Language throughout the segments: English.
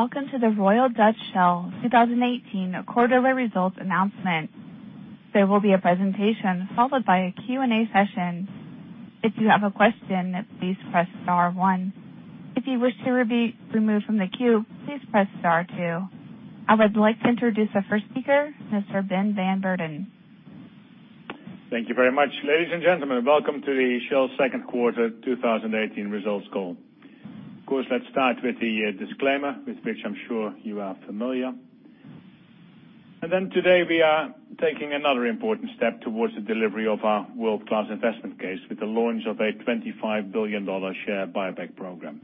Welcome to the Royal Dutch Shell 2018 quarterly results announcement. There will be a presentation followed by a Q&A session. If you have a question, please press star one. If you wish to be removed from the queue, please press star two. I would like to introduce our first speaker, Mr. Ben van Beurden. Thank you very much. Ladies and gentlemen, welcome to the Shell second quarter 2018 results call. Of course, let's start with the disclaimer, with which I'm sure you are familiar. Today we are taking another important step towards the delivery of our world-class investment case with the launch of a $25 billion share buyback program.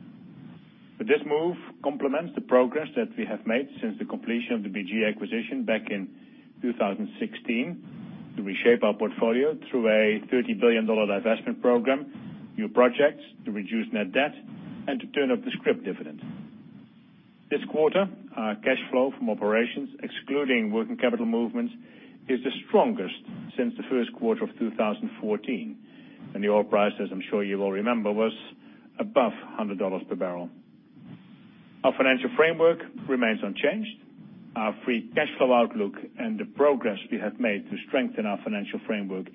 This move complements the progress that we have made since the completion of the BG acquisition back in 2016, to reshape our portfolio through a $30 billion divestment program, new projects to reduce net debt, and to turn up the scrip dividend. This quarter, our cash flow from operations, excluding working capital movements, is the strongest since the first quarter of 2014. The oil price, as I'm sure you all remember, was above $100 per barrel. Our financial framework remains unchanged. Our free cash flow outlook and the progress we have made to strengthen our financial framework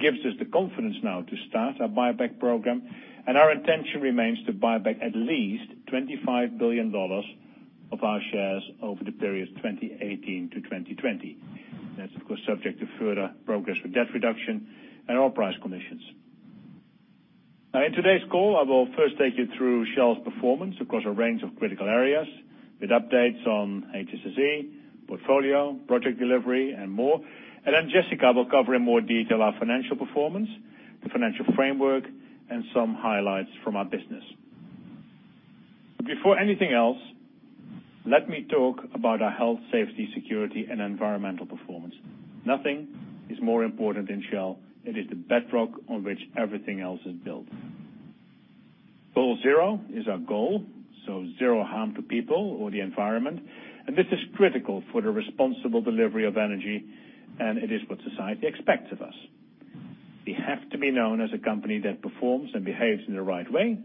gives us the confidence now to start our buyback program, and our intention remains to buy back at least $25 billion of our shares over the period 2018 to 2020. That's, of course, subject to further progress with debt reduction and our price conditions. In today's call, I will first take you through Shell's performance across a range of critical areas, with updates on HSSE, portfolio, project delivery, and more. Jessica will cover in more detail our financial performance, the financial framework, and some highlights from our business. Before anything else, let me talk about our health, safety, security, and environmental performance. Nothing is more important than Shell. It is the bedrock on which everything else is built. Goal Zero is our goal, zero harm to people or the environment, and this is critical for the responsible delivery of energy, and it is what society expects of us. We have to be known as a company that performs and behaves in the right way,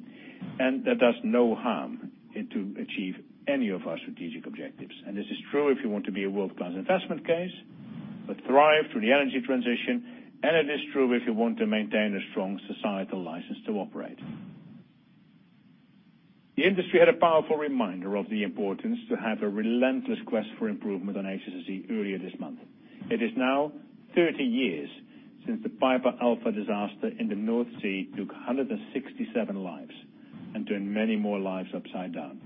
and that does no harm to achieve any of our strategic objectives. This is true if you want to be a world-class investment case, but thrive through the energy transition, and it is true if you want to maintain a strong societal license to operate. The industry had a powerful reminder of the importance to have a relentless quest for improvement on HSSE earlier this month. It is now 30 years since the Piper Alpha disaster in the North Sea took 167 lives and turned many more lives upside down.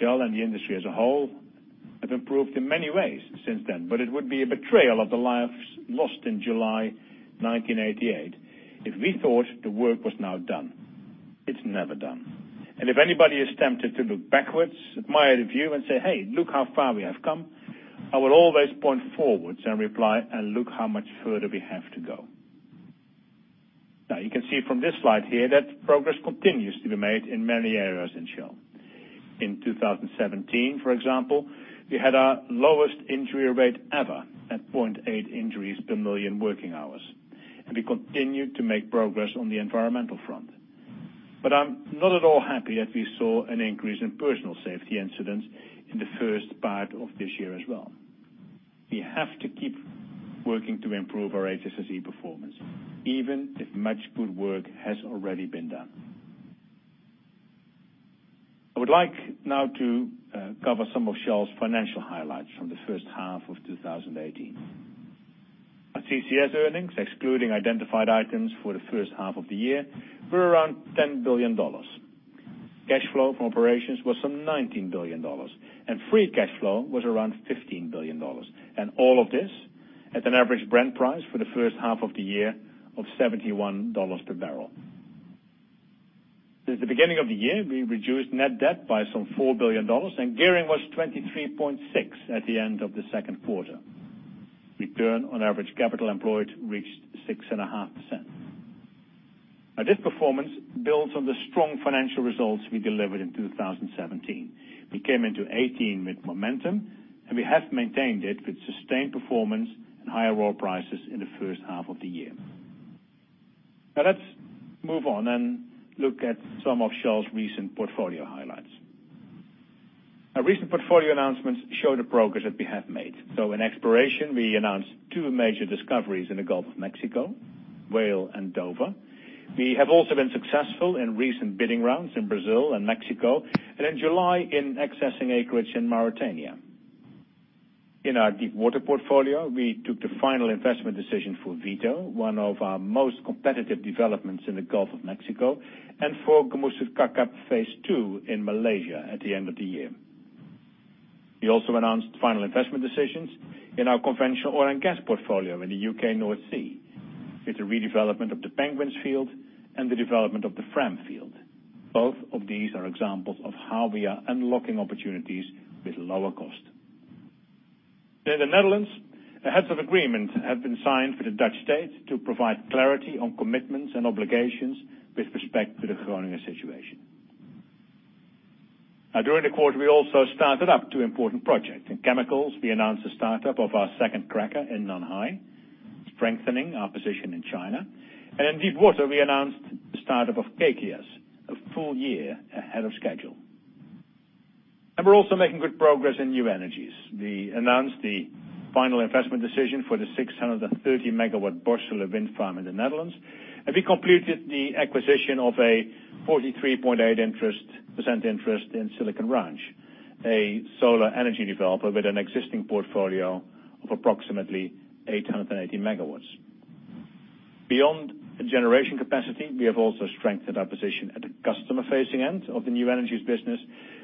Shell, and the industry as a whole, have improved in many ways since then, but it would be a betrayal of the lives lost in July 1988 if we thought the work was now done. It's never done. If anybody is tempted to look backwards, admire the view, and say, "Hey, look how far we have come," I will always point forwards and reply, "Look how much further we have to go." You can see from this slide here that progress continues to be made in many areas in Shell. In 2017, for example, we had our lowest injury rate ever at 0.8 injuries per million working hours, and we continued to make progress on the environmental front. I'm not at all happy that we saw an increase in personal safety incidents in the first part of this year as well. We have to keep working to improve our HSSE performance, even if much good work has already been done. I would like now to cover some of Shell's financial highlights from the first half of 2018. Our CCS earnings, excluding identified items for the first half of the year, were around $10 billion. Cash flow from operations was some $19 billion, and free cash flow was around $15 billion. All of this at an average Brent price for the first half of the year of $71 per barrel. Since the beginning of the year, we reduced net debt by some $4 billion, and gearing was 23.6 at the end of the second quarter. Return on average capital employed reached 6.5%. This performance builds on the strong financial results we delivered in 2017. We came into 2018 with momentum, and we have maintained it with sustained performance and higher oil prices in the first half of the year. Let's move on and look at some of Shell's recent portfolio highlights. Recent portfolio announcements show the progress that we have made. In exploration, we announced two major discoveries in the Gulf of Mexico, Whale and Dover. We have also been successful in recent bidding rounds in Brazil and Mexico, and in July in accessing acreage in Mauritania. In our deep water portfolio, we took the final investment decision for Vito, one of our most competitive developments in the Gulf of Mexico, and for Gumusut-Kakap Phase 2 in Malaysia at the end of the year. We also announced final investment decisions in our conventional oil and gas portfolio in the U.K. North Sea, with the redevelopment of the Penguins field and the development of the Fram field. Both of these are examples of how we are unlocking opportunities with lower cost. In the Netherlands, heads of agreement have been signed for the Dutch state to provide clarity on commitments and obligations with respect to the Groningen situation. During the quarter, we also started up two important projects. In chemicals, we announced the startup of our second cracker in Nanhai. Strengthening our position in China. In deep water, we announced the startup of Kaikias, a full year ahead of schedule. We're also making good progress in New Energies. We announced the final investment decision for the 630 MW Borssele wind farm in the Netherlands, and we completed the acquisition of a 43.8% interest in Silicon Ranch, a solar energy developer with an existing portfolio of approximately 880 MW. Beyond the generation capacity, we have also strengthened our position at the customer facing end of the New Energies business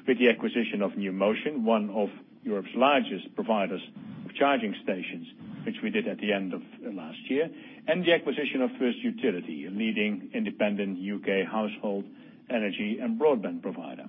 with the acquisition of NewMotion, one of Europe's largest providers of charging stations, which we did at the end of last year. The acquisition of First Utility, a leading independent U.K. household energy and broadband provider.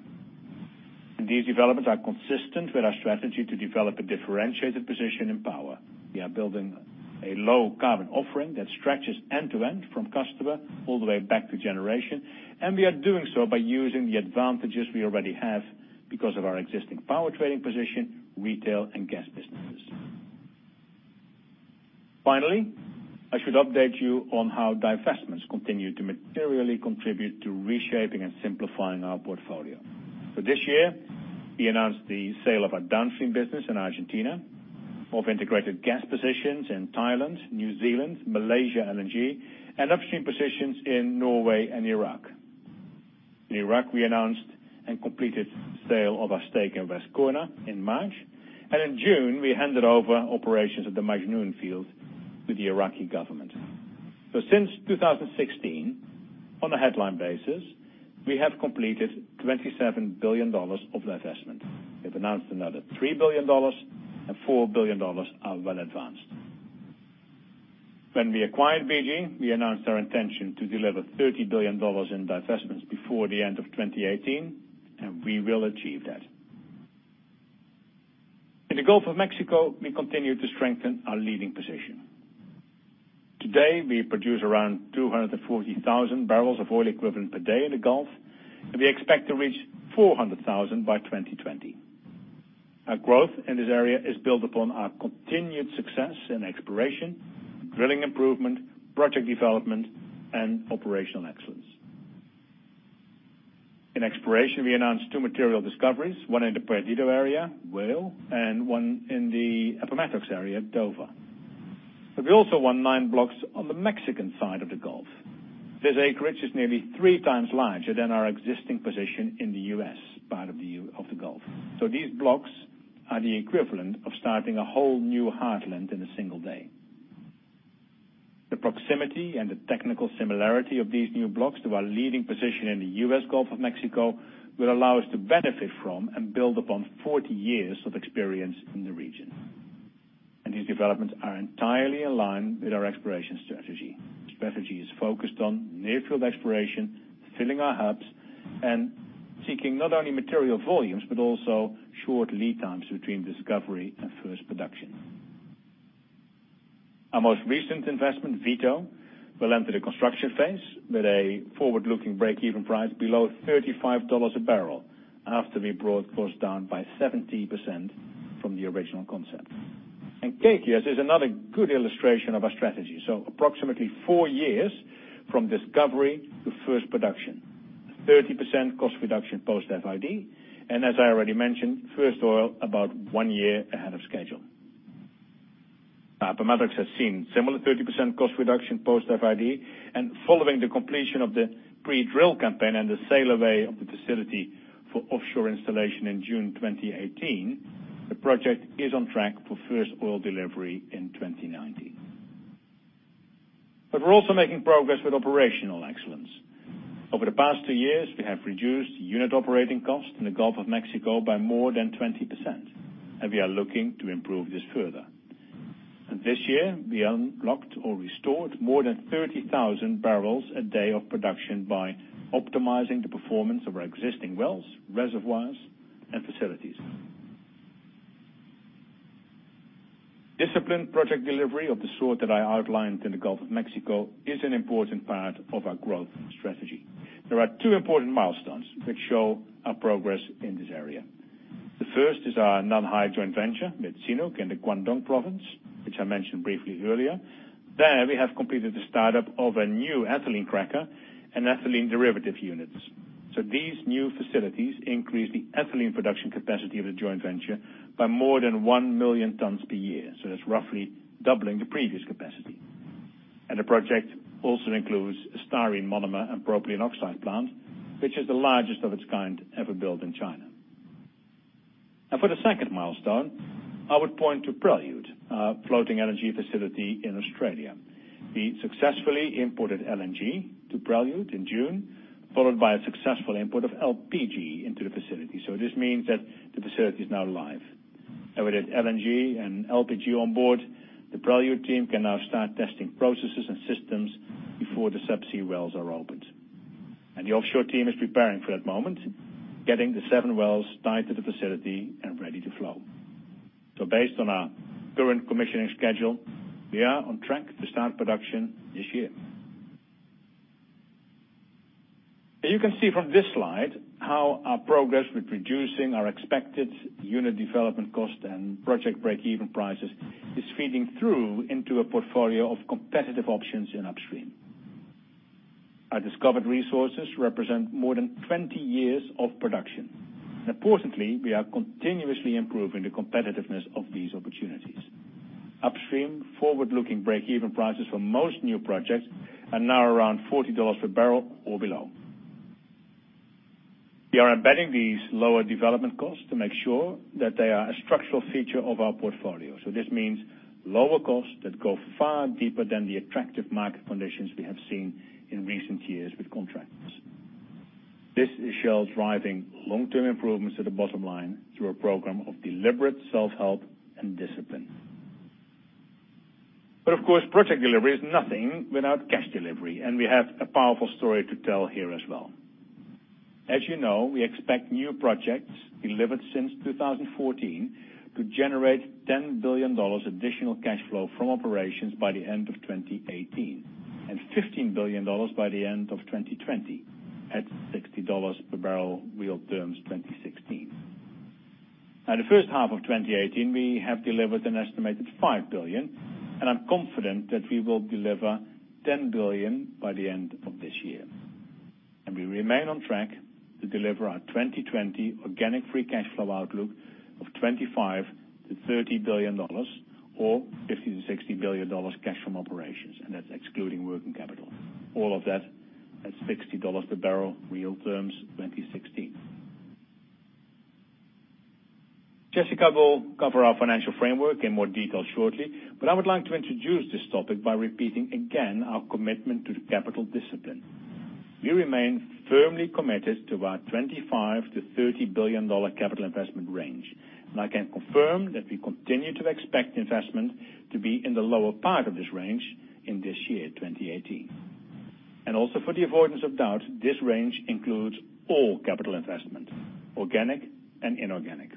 These developments are consistent with our strategy to develop a differentiated position in power. We are building a low carbon offering that stretches end to end from customer all the way back to generation, and we are doing so by using the advantages we already have because of our existing power trading position, retail, and gas businesses. Finally, I should update you on how divestments continue to materially contribute to reshaping and simplifying our portfolio. This year we announced the sale of our downstream business in Argentina, of integrated gas positions in Thailand, New Zealand, Malaysia LNG and upstream positions in Norway and Iraq. In Iraq, we announced and completed sale of our stake in West Qurna in March, and in June we handed over operations of the Majnoon field to the Iraqi government. Since 2016, on a headline basis, we have completed $27 billion of divestment. We've announced another $3 billion and $4 billion are well advanced. When we acquired BG, we announced our intention to deliver $30 billion in divestments before the end of 2018, and we will achieve that. In the Gulf of Mexico, we continue to strengthen our leading position. Today, we produce around 240,000 barrels of oil equivalent per day in the Gulf, and we expect to reach 400,000 by 2020. Our growth in this area is built upon our continued success in exploration, drilling improvement, project development, and operational excellence. In exploration, we announced two material discoveries, one in the Perdido area, Whale, and one in the Appomattox area, Dover. We also won nine blocks on the Mexican side of the Gulf. This acreage is nearly three times larger than our existing position in the U.S. part of the Gulf. These blocks are the equivalent of starting a whole new heartland in a single day. The proximity and the technical similarity of these new blocks to our leading position in the U.S. Gulf of Mexico will allow us to benefit from and build upon 40 years of experience in the region. These developments are entirely aligned with our exploration strategy. Strategy is focused on near field exploration, filling our hubs, and seeking not only material volumes, but also short lead times between discovery and first production. Our most recent investment, Vito, will enter the construction phase with a forward-looking break-even price below $35 a barrel after we brought costs down by 70% from the original concept. Kaikias is another good illustration of our strategy. Approximately four years from discovery to first production. 30% cost reduction post FID, and as I already mentioned, first oil about one year ahead of schedule. Appomattox has seen similar 30% cost reduction post FID, following the completion of the pre-drill campaign and the sail away of the facility for offshore installation in June 2018, the project is on track for first oil delivery in 2019. We're also making progress with operational excellence. Over the past two years, we have reduced unit operating costs in the Gulf of Mexico by more than 20%, and we are looking to improve this further. This year, we unlocked or restored more than 30,000 barrels a day of production by optimizing the performance of our existing wells, reservoirs, and facilities. Disciplined project delivery of the sort that I outlined in the Gulf of Mexico is an important part of our growth strategy. There are two important milestones which show our progress in this area. The first is our Nanhai joint venture with CNOOC in the Guangdong province, which I mentioned briefly earlier. There we have completed the startup of a new ethylene cracker and ethylene derivative units. These new facilities increase the ethylene production capacity of the joint venture by more than 1 million tons per year. That's roughly doubling the previous capacity. The project also includes a styrene monomer and propylene oxide plant, which is the largest of its kind ever built in China. For the second milestone, I would point to Prelude, our floating energy facility in Australia. We successfully imported LNG to Prelude in June, followed by a successful import of LPG into the facility. This means that the facility is now live. With LNG and LPG on board, the Prelude team can now start testing processes and systems before the subsea wells are opened. The offshore team is preparing for that moment, getting the seven wells tied to the facility and ready to flow. Based on our current commissioning schedule, we are on track to start production this year. You can see from this slide how our progress with reducing our expected unit development cost and project breakeven prices is feeding through into a portfolio of competitive options in upstream. Our discovered resources represent more than 20 years of production. Importantly, we are continuously improving the competitiveness of these opportunities. Upstream forward-looking breakeven prices for most new projects are now around $40 per barrel or below. We are embedding these lower development costs to make sure that they are a structural feature of our portfolio. This means lower costs that go far deeper than the attractive market conditions we have seen in recent years with contracts. This is Shell's driving long-term improvements to the bottom line through a program of deliberate self-help and discipline. Of course, project delivery is nothing without cash delivery, and we have a powerful story to tell here as well. As you know, we expect new projects delivered since 2014 to generate $10 billion additional cash flow from operations by the end of 2018, and $15 billion by the end of 2020, at $60 per barrel real terms 2016. The first half of 2018, we have delivered an estimated $5 billion, and I'm confident that we will deliver $10 billion by the end of this year. We remain on track to deliver our 2020 organic free cash flow outlook of $25 billion-$30 billion or $50 billion-$60 billion cash from operations, and that's excluding working capital. All of that at $60 per barrel real terms 2016. Jessica will cover our financial framework in more detail shortly. I would like to introduce this topic by repeating again our commitment to the capital discipline. We remain firmly committed to our $25 billion-$30 billion capital investment range. I can confirm that we continue to expect investment to be in the lower part of this range in this year, 2018. Also for the avoidance of doubt, this range includes all capital investment, organic and inorganic.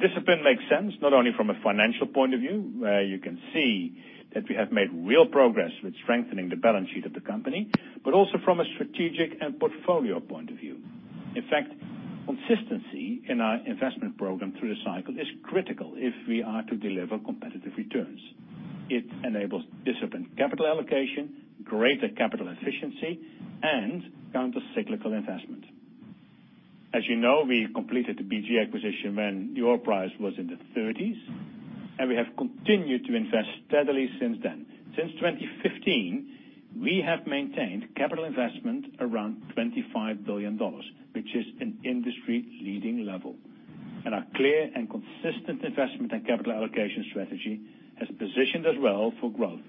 Discipline makes sense not only from a financial point of view, where you can see that we have made real progress with strengthening the balance sheet of the company, but also from a strategic and portfolio point of view. In fact, consistency in our investment program through the cycle is critical if we are to deliver competitive returns. It enables disciplined capital allocation, greater capital efficiency, and counter-cyclical investment. As you know, we completed the BG Group acquisition when the oil price was in the 30s. We have continued to invest steadily since then. Since 2015, we have maintained capital investment around $25 billion, which is an industry-leading level. Our clear and consistent investment and capital allocation strategy has positioned us well for growth.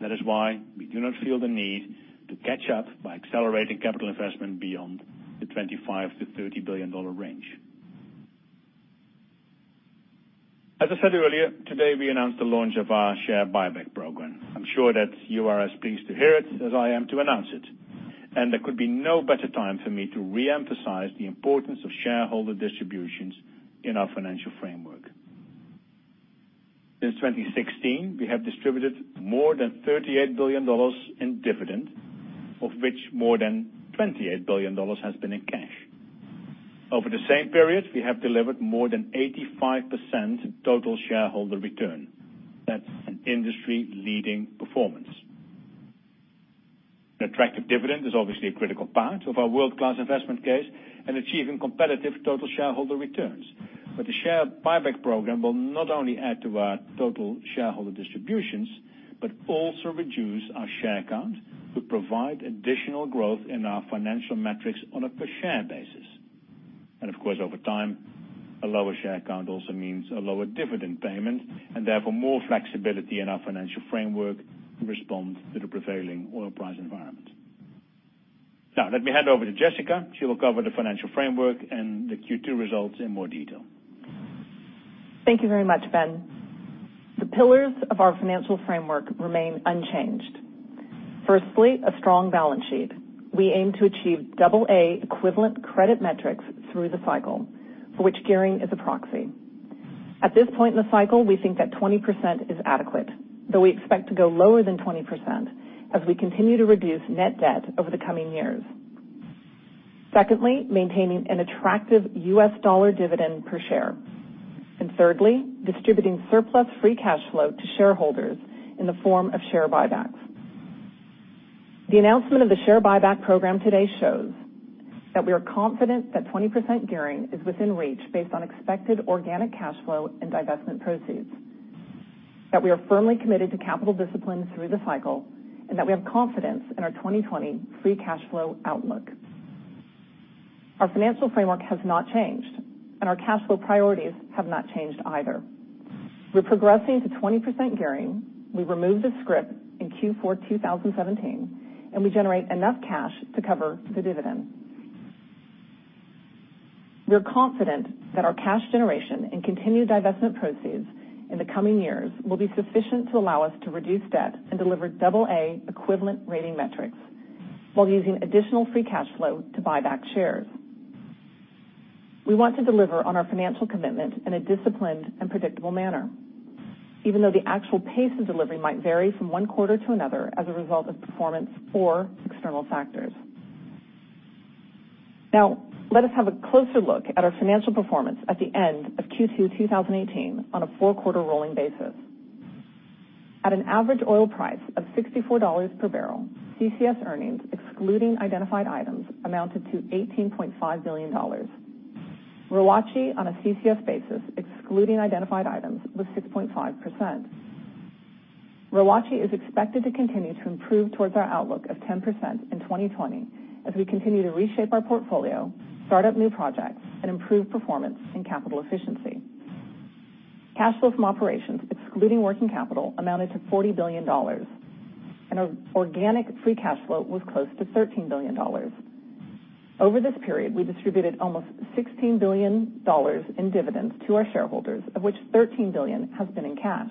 That is why we do not feel the need to catch up by accelerating capital investment beyond the $25 billion-$30 billion range. As I said earlier, today we announced the launch of our share buyback program. I'm sure that you are as pleased to hear it as I am to announce it. There could be no better time for me to reemphasize the importance of shareholder distributions in our financial framework. Since 2016, we have distributed more than $38 billion in dividend, of which more than $28 billion has been in cash. Over the same period, we have delivered more than 85% total shareholder return. That's an industry-leading performance. An attractive dividend is obviously a critical part of our world-class investment case and achieving competitive total shareholder returns. The share buyback program will not only add to our total shareholder distributions, but also reduce our share count to provide additional growth in our financial metrics on a per share basis. Of course, over time, a lower share count also means a lower dividend payment, and therefore more flexibility in our financial framework to respond to the prevailing oil price environment. Let me hand over to Jessica. She will cover the financial framework and the Q2 results in more detail. Thank you very much, Ben. The pillars of our financial framework remain unchanged. Firstly, a strong balance sheet. We aim to achieve AA equivalent credit metrics through the cycle, for which gearing is a proxy. At this point in the cycle, we think that 20% is adequate, though we expect to go lower than 20% as we continue to reduce net debt over the coming years. Secondly, maintaining an attractive U.S. dollar dividend per share. Thirdly, distributing surplus free cash flow to shareholders in the form of share buybacks. The announcement of the share buyback program today shows that we are confident that 20% gearing is within reach based on expected organic cash flow and divestment proceeds, that we are firmly committed to capital discipline through the cycle, and that we have confidence in our 2020 free cash flow outlook. Our financial framework has not changed. Our cash flow priorities have not changed either. We're progressing to 20% gearing. We removed the scrip in Q4 2017, and we generate enough cash to cover the dividend. We're confident that our cash generation and continued divestment proceeds in the coming years will be sufficient to allow us to reduce debt and deliver AA equivalent rating metrics while using additional free cash flow to buy back shares. We want to deliver on our financial commitment in a disciplined and predictable manner, even though the actual pace of delivery might vary from one quarter to another as a result of performance or external factors. Let us have a closer look at our financial performance at the end of Q2 2018 on a four-quarter rolling basis. At an average oil price of $64 per barrel, CCS earnings, excluding identified items, amounted to $18.5 billion. ROACE on a CCS basis, excluding identified items, was 6.5%. ROACE is expected to continue to improve towards our outlook of 10% in 2020 as we continue to reshape our portfolio, start up new projects, and improve performance and capital efficiency. Cash flow from operations, excluding working capital, amounted to $40 billion. Our organic free cash flow was close to $13 billion. Over this period, we distributed almost $16 billion in dividends to our shareholders, of which $13 billion has been in cash.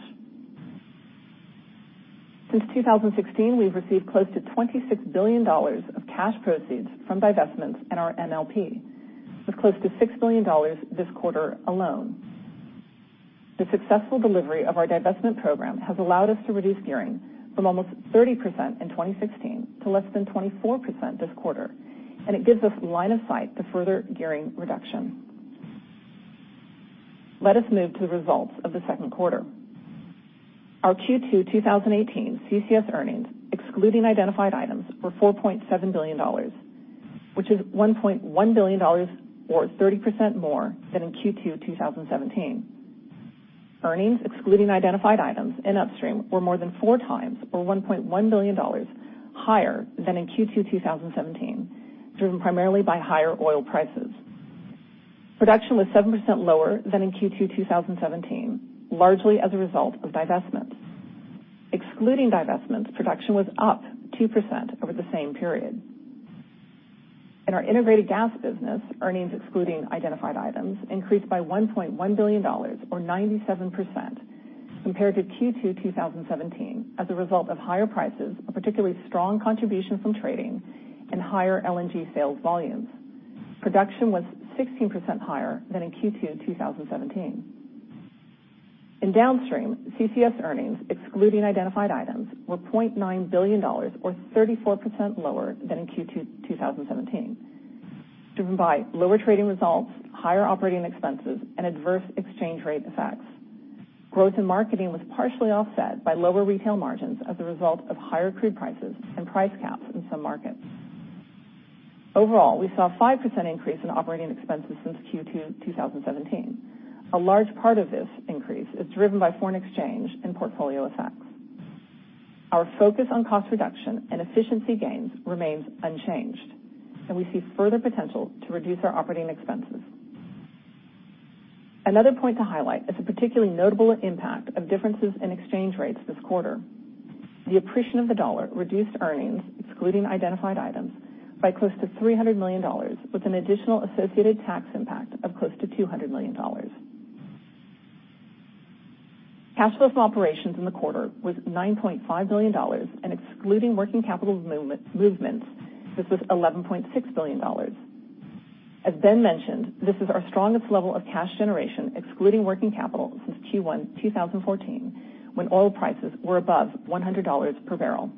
Since 2016, we've received close to $26 billion of cash proceeds from divestments in our MLP, with close to $6 billion this quarter alone. The successful delivery of our divestment program has allowed us to reduce gearing from almost 30% in 2016 to less than 24% this quarter. It gives us line of sight to further gearing reduction. Let us move to the results of the second quarter. Our Q2 2018 CCS earnings, excluding identified items, were $4.7 billion, which is $1.1 billion, or 30% more than in Q2 2017. Earnings, excluding identified items in upstream were more than four times, or $1.1 billion, higher than in Q2 2017, driven primarily by higher oil prices. Production was 7% lower than in Q2 2017, largely as a result of divestments. Excluding divestments, production was up 2% over the same period. In our integrated gas business, earnings excluding identified items increased by $1.1 billion, or 97%, compared to Q2 2017, as a result of higher prices, a particularly strong contribution from trading, and higher LNG sales volumes. Production was 16% higher than in Q2 2017. In downstream, CCS earnings, excluding identified items, were $0.9 billion, or 34% lower than in Q2 2017, driven by lower trading results, higher operating expenses, and adverse exchange rate effects. Growth in marketing was partially offset by lower retail margins as a result of higher crude prices and price caps in some markets. Overall, we saw a 5% increase in operating expenses since Q2 2017. A large part of this increase is driven by foreign exchange and portfolio effects. Our focus on cost reduction and efficiency gains remains unchanged. We see further potential to reduce our operating expenses. Another point to highlight is the particularly notable impact of differences in exchange rates this quarter. The appreciation of the dollar reduced earnings, excluding identified items, by close to $300 million, with an additional associated tax impact of close to $200 million. Cash flow from operations in the quarter was $9.5 billion, and excluding working capital movements, this was $11.6 billion. As Ben mentioned, this is our strongest level of cash generation, excluding working capital, since Q1 2014, when oil prices were above $100 per barrel.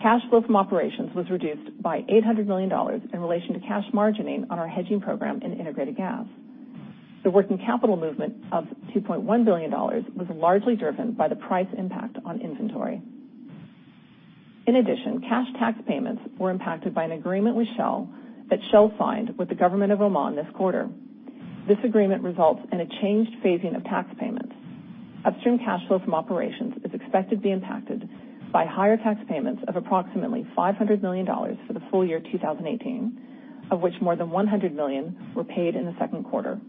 Cash flow from operations was reduced by $800 million in relation to cash margining on our hedging program in Integrated Gas. The working capital movement of $2.1 billion was largely driven by the price impact on inventory. In addition, cash tax payments were impacted by an agreement with Shell that Shell signed with the government of Oman this quarter. This agreement results in a changed phasing of tax payments. Upstream cash flow from operations is expected to be impacted by higher tax payments of approximately $500 million for the full year 2018, of which more than $100 million were paid in the second quarter,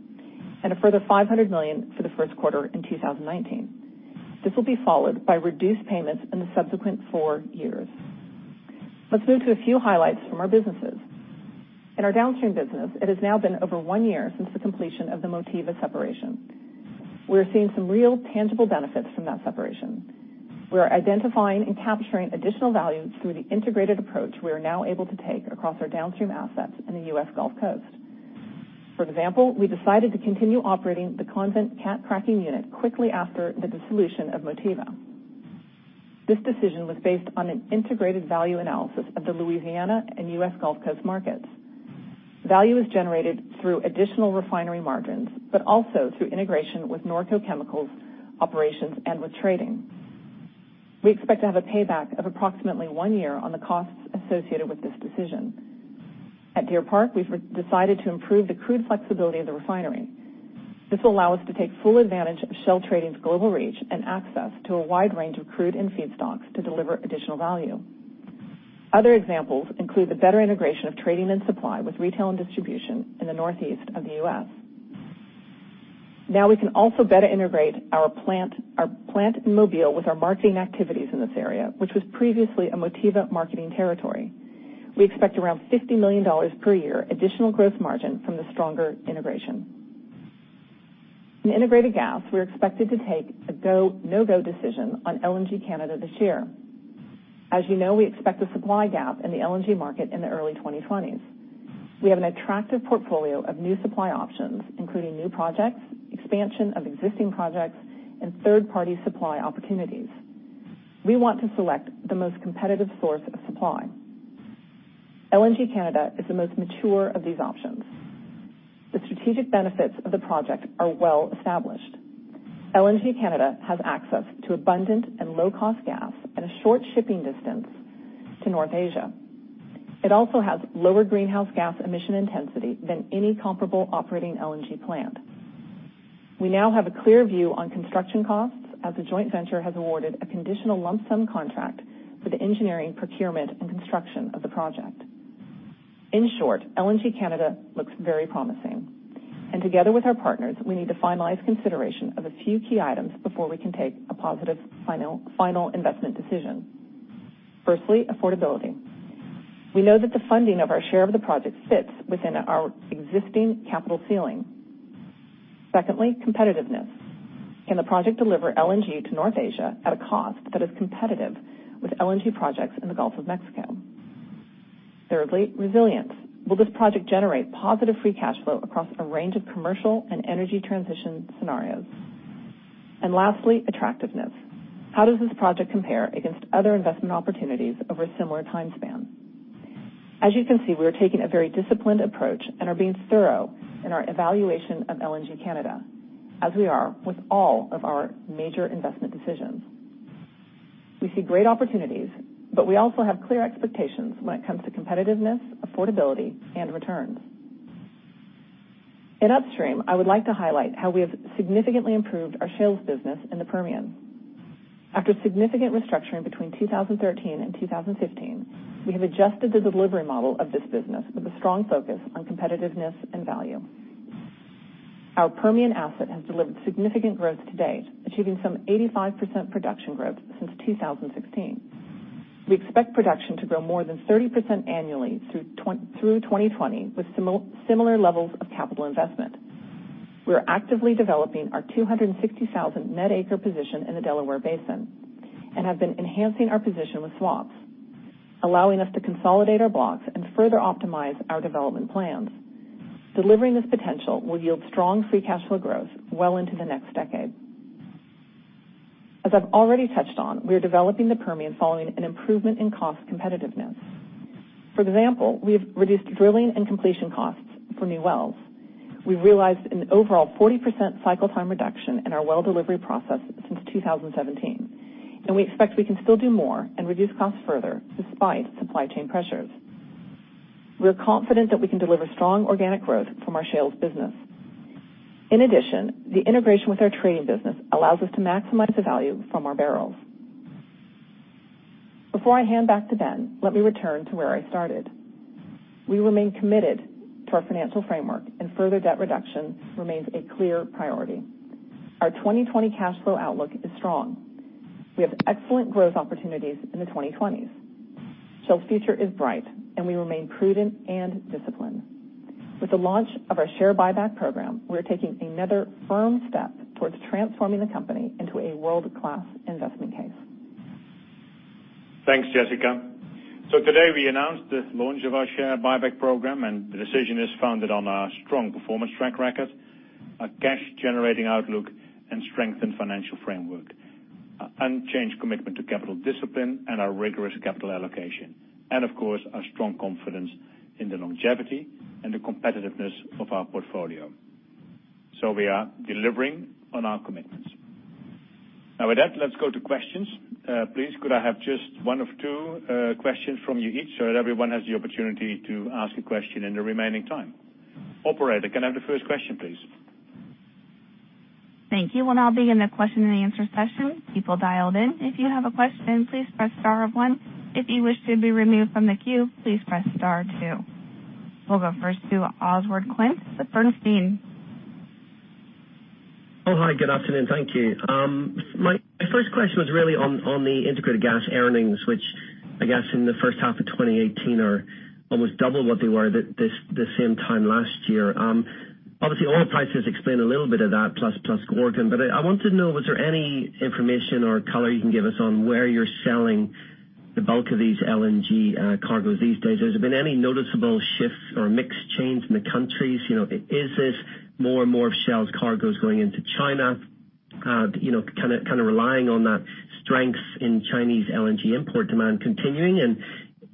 and a further $500 million for the first quarter in 2019. This will be followed by reduced payments in the subsequent four years. Let's move to a few highlights from our businesses. In our Downstream business, it has now been over one year since the completion of the Motiva separation. We are seeing some real tangible benefits from that separation. We are identifying and capturing additional value through the integrated approach we are now able to take across our Downstream assets in the U.S. Gulf Coast. For example, we decided to continue operating the Convent cat cracking unit quickly after the dissolution of Motiva. This decision was based on an integrated value analysis of the Louisiana and U.S. Gulf Coast markets. Value is generated through additional refinery margins, but also through integration with Norco chemicals operations and with trading. We expect to have a payback of approximately one year on the costs associated with this decision. At Deer Park, we've decided to improve the crude flexibility of the refinery. This will allow us to take full advantage of Shell Trading's global reach and access to a wide range of crude and feedstocks to deliver additional value. Other examples include the better integration of trading and supply with retail and distribution in the northeast of the U.S. Now we can also better integrate our plant in Mobile with our marketing activities in this area, which was previously a Motiva marketing territory. We expect around $50 million per year additional gross margin from the stronger integration. In Integrated Gas, we're expected to take a go, no-go decision on LNG Canada this year. As you know, we expect a supply gap in the LNG market in the early 2020s. We have an attractive portfolio of new supply options, including new projects, expansion of existing projects, and third-party supply opportunities. We want to select the most competitive source of supply. LNG Canada is the most mature of these options. The strategic benefits of the project are well established. LNG Canada has access to abundant and low-cost gas at a short shipping distance to North Asia. It also has lower greenhouse gas emission intensity than any comparable operating LNG plant. We now have a clear view on construction costs, as the joint venture has awarded a conditional lump sum contract for the engineering, procurement, and construction of the project. In short, LNG Canada looks very promising. Together with our partners, we need to finalize consideration of a few key items before we can take a positive final investment decision. Firstly, affordability. We know that the funding of our share of the project fits within our existing capital ceiling. Secondly, competitiveness. Can the project deliver LNG to North Asia at a cost that is competitive with LNG projects in the Gulf of Mexico? Thirdly, resilience. Will this project generate positive free cash flow across a range of commercial and energy transition scenarios? Lastly, attractiveness. How does this project compare against other investment opportunities over a similar time span? As you can see, we are taking a very disciplined approach and are being thorough in our evaluation of LNG Canada, as we are with all of our major investment decisions. We see great opportunities, but we also have clear expectations when it comes to competitiveness, affordability, and returns. In Upstream, I would like to highlight how we have significantly improved our shales business in the Permian. After significant restructuring between 2013 and 2015, we have adjusted the delivery model of this business with a strong focus on competitiveness and value. Our Permian asset has delivered significant growth to date, achieving some 85% production growth since 2016. We expect production to grow more than 30% annually through 2020 with similar levels of capital investment. We are actively developing our 260,000 net acre position in the Delaware Basin and have been enhancing our position with swaps, allowing us to consolidate our blocks and further optimize our development plans. Delivering this potential will yield strong free cash flow growth well into the next decade. As I've already touched on, we are developing the Permian following an improvement in cost competitiveness. For example, we have reduced drilling and completion costs for new wells. We have realized an overall 40% cycle time reduction in our well delivery process since 2017, and we expect we can still do more and reduce costs further despite supply chain pressures. We are confident that we can deliver strong organic growth from our shales business. In addition, the integration with our trading business allows us to maximize the value from our barrels. Before I hand back to Ben, let me return to where I started. We remain committed to our financial framework, and further debt reduction remains a clear priority. Our 2020 cash flow outlook is strong. We have excellent growth opportunities in the 2020s. Shell's future is bright, and we remain prudent and disciplined. With the launch of our share buyback program, we are taking another firm step towards transforming the company into a world-class investment case. Thanks, Jessica. Today we announced the launch of our share buyback program, the decision is founded on our strong performance track record, our cash-generating outlook, and strengthened financial framework, our unchanged commitment to capital discipline, and our rigorous capital allocation. Of course, our strong confidence in the longevity and the competitiveness of our portfolio. We are delivering on our commitments. Now with that, let's go to questions. Please could I have just one of two questions from you each so that everyone has the opportunity to ask a question in the remaining time? Operator, can I have the first question, please? Thank you. We'll now begin the question and answer session. People dialed in, if you have a question, please press star or one. If you wish to be removed from the queue, please press star two. We'll go first to Oswald Clint with Bernstein. Hi. Good afternoon. Thank you. My first question was really on the integrated gas earnings, which I guess in the first half of 2018 are almost double what they were the same time last year. Obviously, oil prices explain a little bit of that, plus Gorgon. I want to know, was there any information or color you can give us on where you're selling the bulk of these LNG cargoes these days? Has there been any noticeable shifts or mix change in the countries? Is this more and more of Shell's cargoes going into China, kind of relying on that strength in Chinese LNG import demand continuing?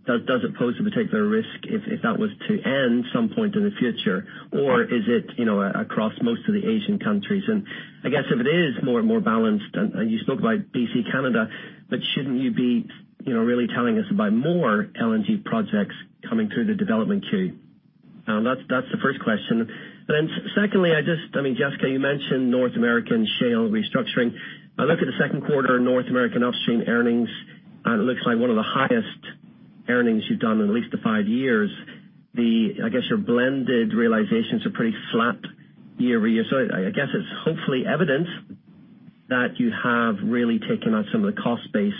Does it pose a particular risk if that was to end some point in the future, or is it across most of the Asian countries? I guess if it is more and more balanced, you spoke about B.C., Canada, shouldn't you be really telling us about more LNG projects coming through the development queue? That's the first question. Secondly, Jessica, you mentioned North American shale restructuring. I look at the second quarter North American Upstream earnings, it looks like one of the highest earnings you've done in at least the five years. I guess your blended realizations are pretty flat year-over-year. I guess it's hopefully evidence that you have really taken on some of the cost base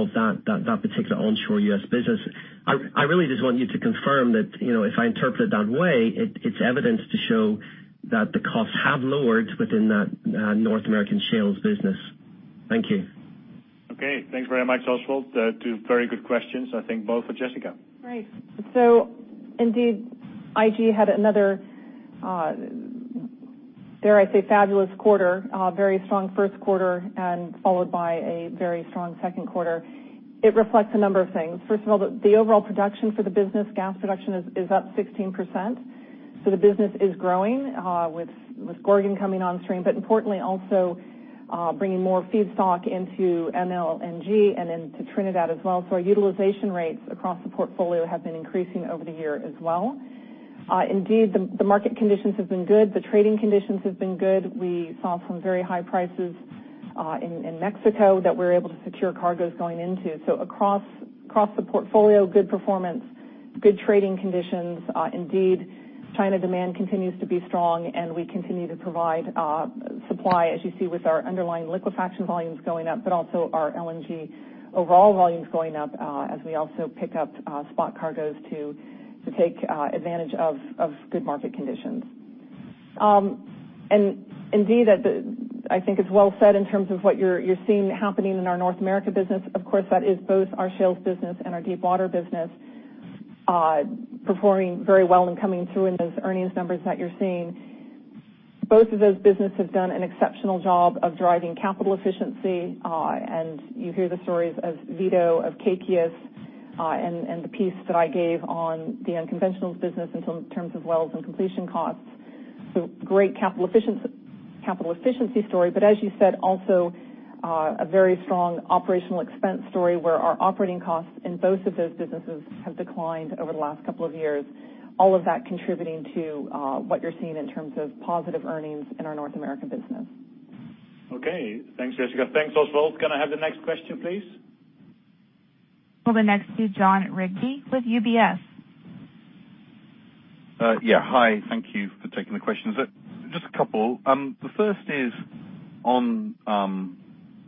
of that particular onshore U.S. business. I really just want you to confirm that if I interpret it that way, it's evidence to show that the costs have lowered within that North American shales business. Thank you. Okay, thanks very much, Oswald. Two very good questions, I think both for Jessica. Right. Indeed, IG had another, dare I say, fabulous quarter. A very strong first quarter and followed by a very strong second quarter. It reflects a number of things. First of all, the overall production for the business, gas production, is up 16%. The business is growing with Gorgon coming on stream, but importantly also bringing more feedstock into MLNG and into Trinidad as well. Our utilization rates across the portfolio have been increasing over the year as well. Indeed, the market conditions have been good. The trading conditions have been good. We saw some very high prices in Mexico that we're able to secure cargoes going into. Across the portfolio, good performance, good trading conditions. Indeed, China demand continues to be strong and we continue to provide supply, as you see with our underlying liquefaction volumes going up, but also our LNG overall volumes going up as we also pick up spot cargoes to take advantage of good market conditions. Indeed, I think it's well said in terms of what you're seeing happening in our North America business. Of course, that is both our shales business and our deepwater business performing very well and coming through in those earnings numbers that you're seeing. Both of those business have done an exceptional job of driving capital efficiency. You hear the stories of Vito, of Kaikias, and the piece that I gave on the unconventionals business in terms of wells and completion costs. Great capital efficiency story, but as you said, also a very strong operational expense story where our operating costs in both of those businesses have declined over the last couple of years. All of that contributing to what you're seeing in terms of positive earnings in our North American business. Okay. Thanks, Jessica. Thanks, Oswald. Can I have the next question, please? Well, the next to Jon Rigby with UBS. Yeah. Hi, thank you for taking the questions. Just a couple. The first is on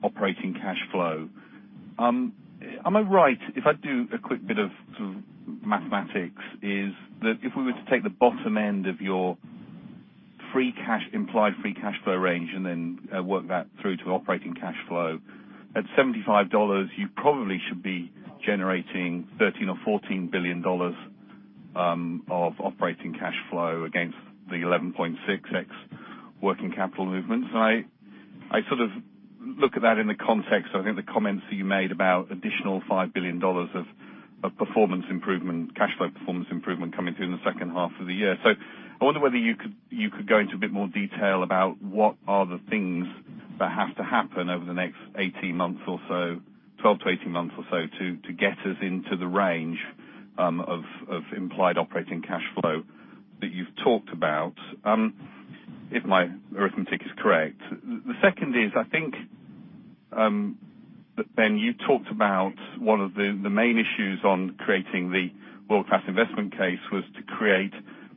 operating cash flow. Am I right if I do a quick bit of mathematics, is that if we were to take the bottom end of your implied free cash flow range and then work that through to operating cash flow, at $75, you probably should be generating $13 or $14 billion of operating cash flow against the 11.6x working capital movements. I sort of look at that in the context, I think the comments that you made about additional $5 billion of cash flow performance improvement coming through in the second half of the year. I wonder whether you could go into a bit more detail about what are the things that have to happen over the next 18 months or so, 12 to 18 months or so, to get us into the range of implied operating cash flow that you've talked about, if my arithmetic is correct. The second is, I think, Ben, you talked about one of the main issues on creating the world-class investment case was to create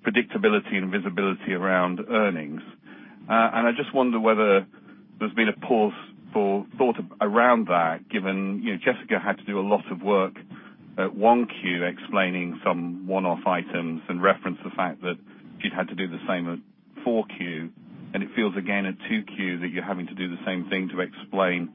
predictability and visibility around earnings. I just wonder whether there's been a pause for thought around that, given Jessica had to do a lot of work at 1Q explaining some one-off items and reference the fact that she'd had to do the same at 4Q, it feels again at 2Q that you're having to do the same thing to explain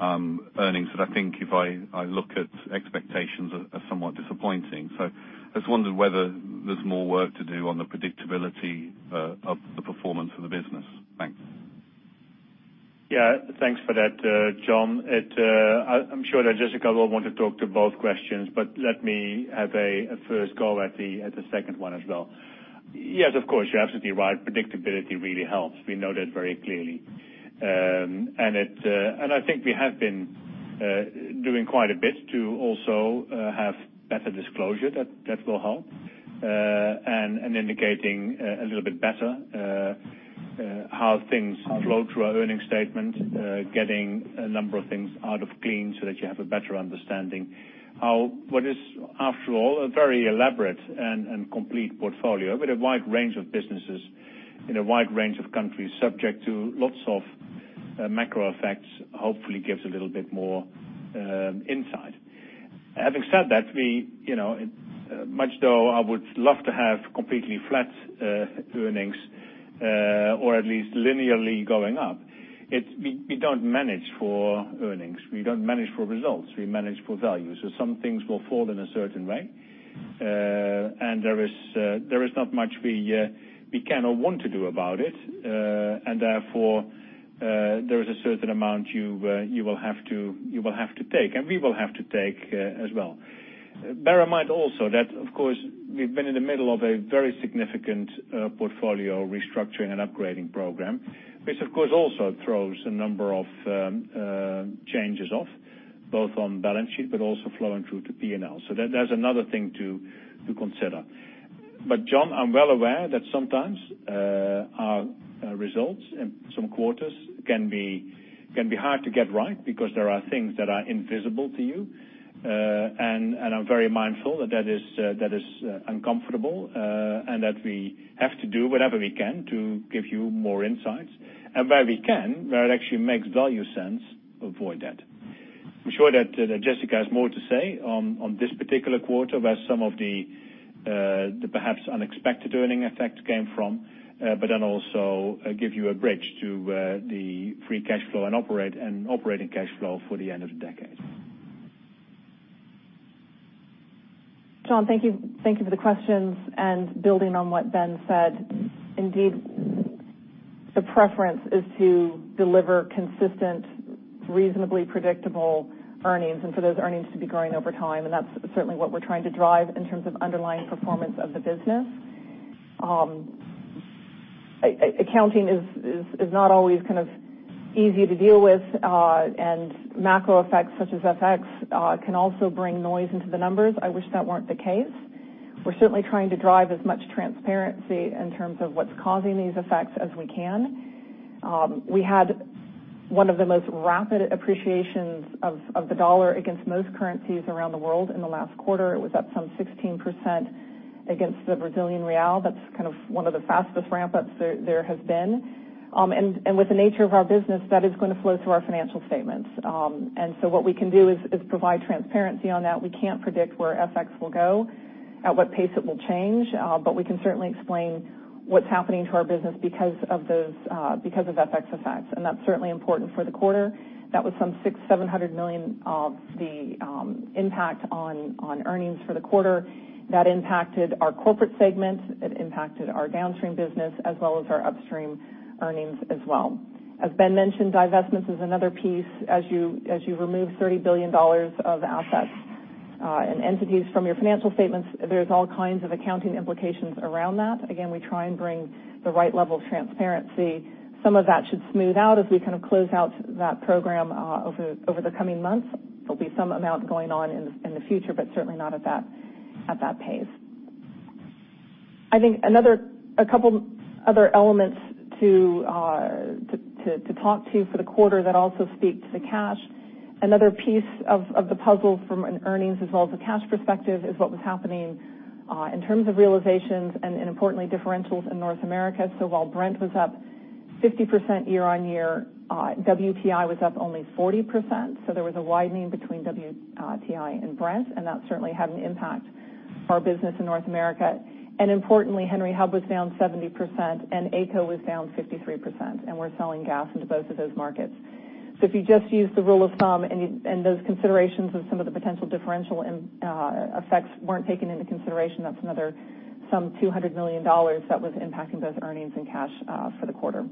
earnings that I think if I look at expectations are somewhat disappointing. I just wondered whether there's more work to do on the predictability of the performance of the business. Thanks. Yeah, thanks for that, Jon. I'm sure that Jessica will want to talk to both questions, but let me have a first go at the second one as well. Yes, of course, you're absolutely right. Predictability really helps. We know that very clearly. I think we have been doing quite a bit to also have better disclosure that will help. Indicating a little bit better how things flow through our earnings statement. Getting a number of things out of clean so that you have a better understanding how what is, after all, a very elaborate and complete portfolio with a wide range of businesses in a wide range of countries subject to lots of macro effects, hopefully gives a little bit more insight. Having said that, much though I would love to have completely flat earnings, or at least linearly going up, we don't manage for earnings. We don't manage for results. We manage for value. Some things will fall in a certain way. There is not much we can or want to do about it. Therefore, there is a certain amount you will have to take, and we will have to take as well. Bear in mind also that, of course, we've been in the middle of a very significant portfolio restructuring and upgrading program, which of course also throws a number of changes off, both on balance sheet, but also flowing through to P&L. That's another thing to consider. Jon, I'm well aware that sometimes our results in some quarters can be hard to get right because there are things that are invisible to you. I'm very mindful that is uncomfortable, and that we have to do whatever we can to give you more insights. Where we can, where it actually makes value sense, avoid that. I'm sure that Jessica has more to say on this particular quarter, where some of the perhaps unexpected earning effects came from, but then also give you a bridge to the free cash flow and operating cash flow for the end of the decade. Jon, thank you for the questions. Building on what Ben said, indeed, the preference is to deliver consistent, reasonably predictable earnings, and for those earnings to be growing over time. That's certainly what we're trying to drive in terms of underlying performance of the business. Accounting is not always easy to deal with. Macro effects such as FX can also bring noise into the numbers. I wish that weren't the case. We're certainly trying to drive as much transparency in terms of what's causing these effects as we can. We had one of the most rapid appreciations of the dollar against most currencies around the world in the last quarter. It was up some 16% against the Brazilian real. That's one of the fastest ramp-ups there has been. With the nature of our business, that is going to flow through our financial statements. What we can do is provide transparency on that. We can't predict where FX will go, at what pace it will change, but we can certainly explain what's happening to our business because of FX effects. That's certainly important for the quarter. That was some $600 million, $700 million of the impact on earnings for the quarter. That impacted our corporate segment. It impacted our downstream business as well as our upstream earnings as well. As Ben mentioned, divestments is another piece. As you remove $30 billion of assets and entities from your financial statements, there's all kinds of accounting implications around that. Again, we try and bring the right level of transparency. Some of that should smooth out as we close out that program over the coming months. There'll be some amount going on in the future, but certainly not at that pace. I think a couple other elements to talk to for the quarter that also speak to the cash. Another piece of the puzzle from an earnings as well as a cash perspective is what was happening in terms of realizations and importantly, differentials in North America. While Brent was up 50% year-on-year, WTI was up only 40%. There was a widening between WTI and Brent, and that certainly had an impact on our business in North America. Importantly, Henry Hub was down 70% and AECO was down 53%, and we're selling gas into both of those markets. If you just use the rule of thumb and those considerations of some of the potential differential effects weren't taken into consideration, that's another some $200 million that was impacting both earnings and cash for the quarter.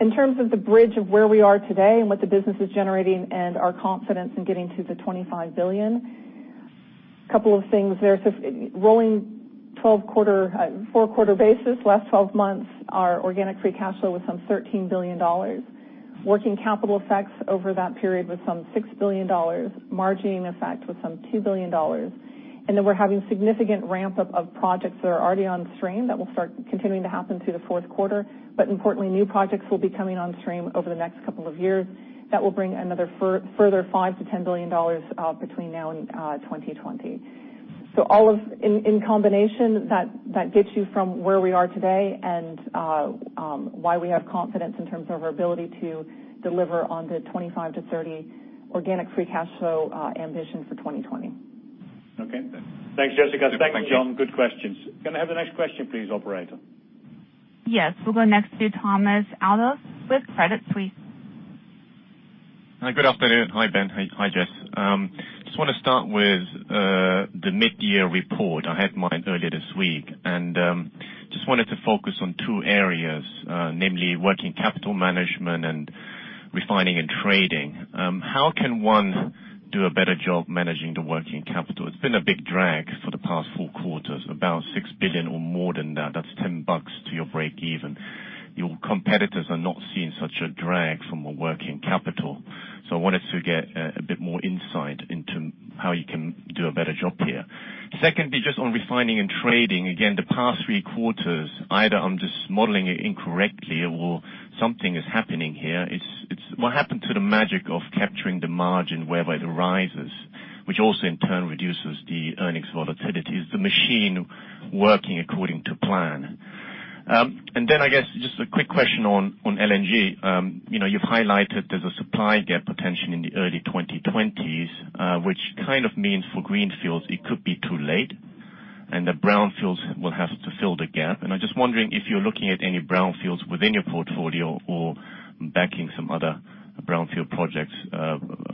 In terms of the bridge of where we are today and what the business is generating and our confidence in getting to the $25 billion, couple of things there. Rolling 4-quarter basis, last 12 months, our organic free cash flow was some $13 billion. Working capital effects over that period was some $6 billion. Margining effect was some $2 billion. Then we're having significant ramp-up of projects that are already on stream that will start continuing to happen through the fourth quarter. Importantly, new projects will be coming on stream over the next couple of years. That will bring another further $5 billion-$10 billion between now and 2020. All in combination, that gets you from where we are today and why we have confidence in terms of our ability to deliver on the $25 billion-$30 billion organic free cash flow ambition for 2020. Okay. Thanks, Jessica. Thanks, Jon. Good questions. Can I have the next question please, operator? Yes. We'll go next to Thomas Adolff with Credit Suisse. Hi, good afternoon. Hi, Ben. Hi, Jess. I just want to start with the mid-year report. I had mine earlier this week, and just wanted to focus on two areas, namely working capital management and refining and trading. How can one do a better job managing the working capital? It's been a big drag for the past four quarters, about $6 billion or more than that. That's $10 to your break even. Your competitors are not seeing such a drag from a working capital. I wanted to get a bit more insight into how you can do a better job here. Secondly, just on refining and trading, again, the past three quarters, either I'm just modeling it incorrectly or something is happening here. What happened to the magic of capturing the margin whereby it rises, which also in turn reduces the earnings volatility? Is the machine working according to plan? Then I guess just a quick question on LNG. You've highlighted there's a supply gap potentially in the early 2020s, which kind of means for greenfields, it could be too late, and the brownfields will have to fill the gap. I'm just wondering if you're looking at any brownfields within your portfolio or backing some other brownfield projects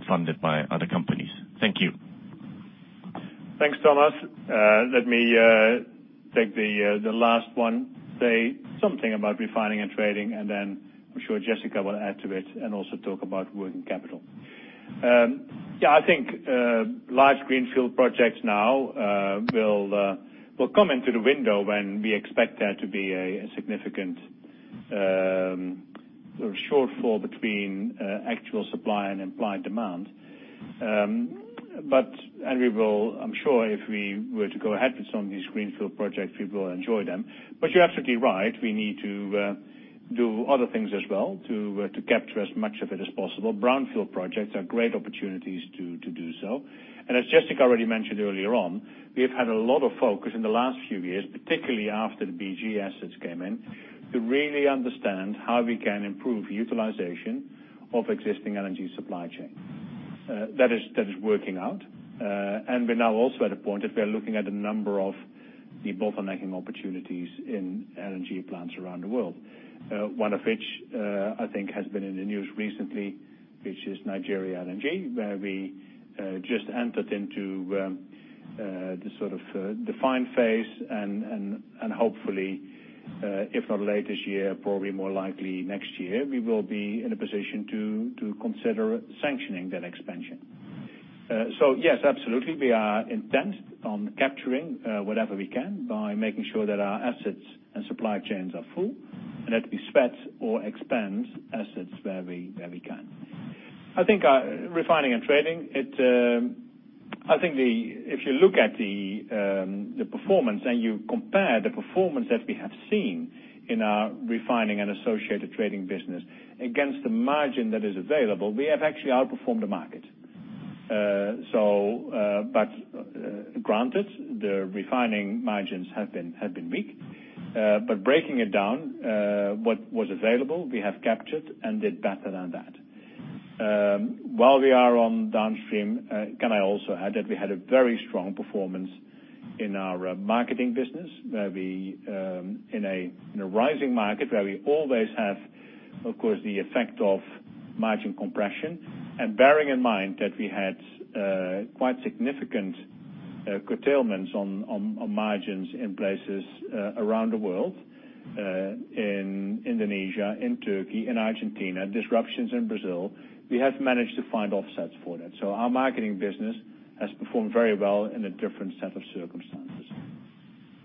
funded by other companies. Thank you. Thanks, Thomas. Then I'm sure Jessica will add to it and also talk about working capital. I think large greenfield projects now will come into the window when we expect there to be a significant shortfall between actual supply and implied demand. I'm sure if we were to go ahead with some of these greenfield projects, we will enjoy them. You're absolutely right. We need to do other things as well to capture as much of it as possible. Brownfield projects are great opportunities to do so. As Jessica already mentioned earlier on, we have had a lot of focus in the last few years, particularly after the BG Group assets came in, to really understand how we can improve utilization of existing LNG supply chain. That is working out. We're now also at a point that we are looking at a number of debottlenecking opportunities in LNG plants around the world. One of which, I think has been in the news recently, which is Nigeria LNG, where we just entered into the sort of FID phase and hopefully, if not late this year, probably more likely next year, we will be in a position to consider sanctioning that expansion. Yes, absolutely, we are intent on capturing whatever we can by making sure that our assets and supply chains are full and that we sweat or expand assets where we can. I think refining and trading, if you look at the performance and you compare the performance that we have seen in our refining and associated trading business against the margin that is available, we have actually outperformed the market. Granted, the refining margins have been weak. Breaking it down, what was available, we have captured and did better than that. While we are on downstream, can I also add that we had a very strong performance in our marketing business, in a rising market where we always have, of course, the effect of margin compression. Bearing in mind that we had quite significant curtailments on margins in places around the world, in Indonesia, in Turkey, in Argentina, disruptions in Brazil, we have managed to find offsets for that. Our marketing business has performed very well in a different set of circumstances.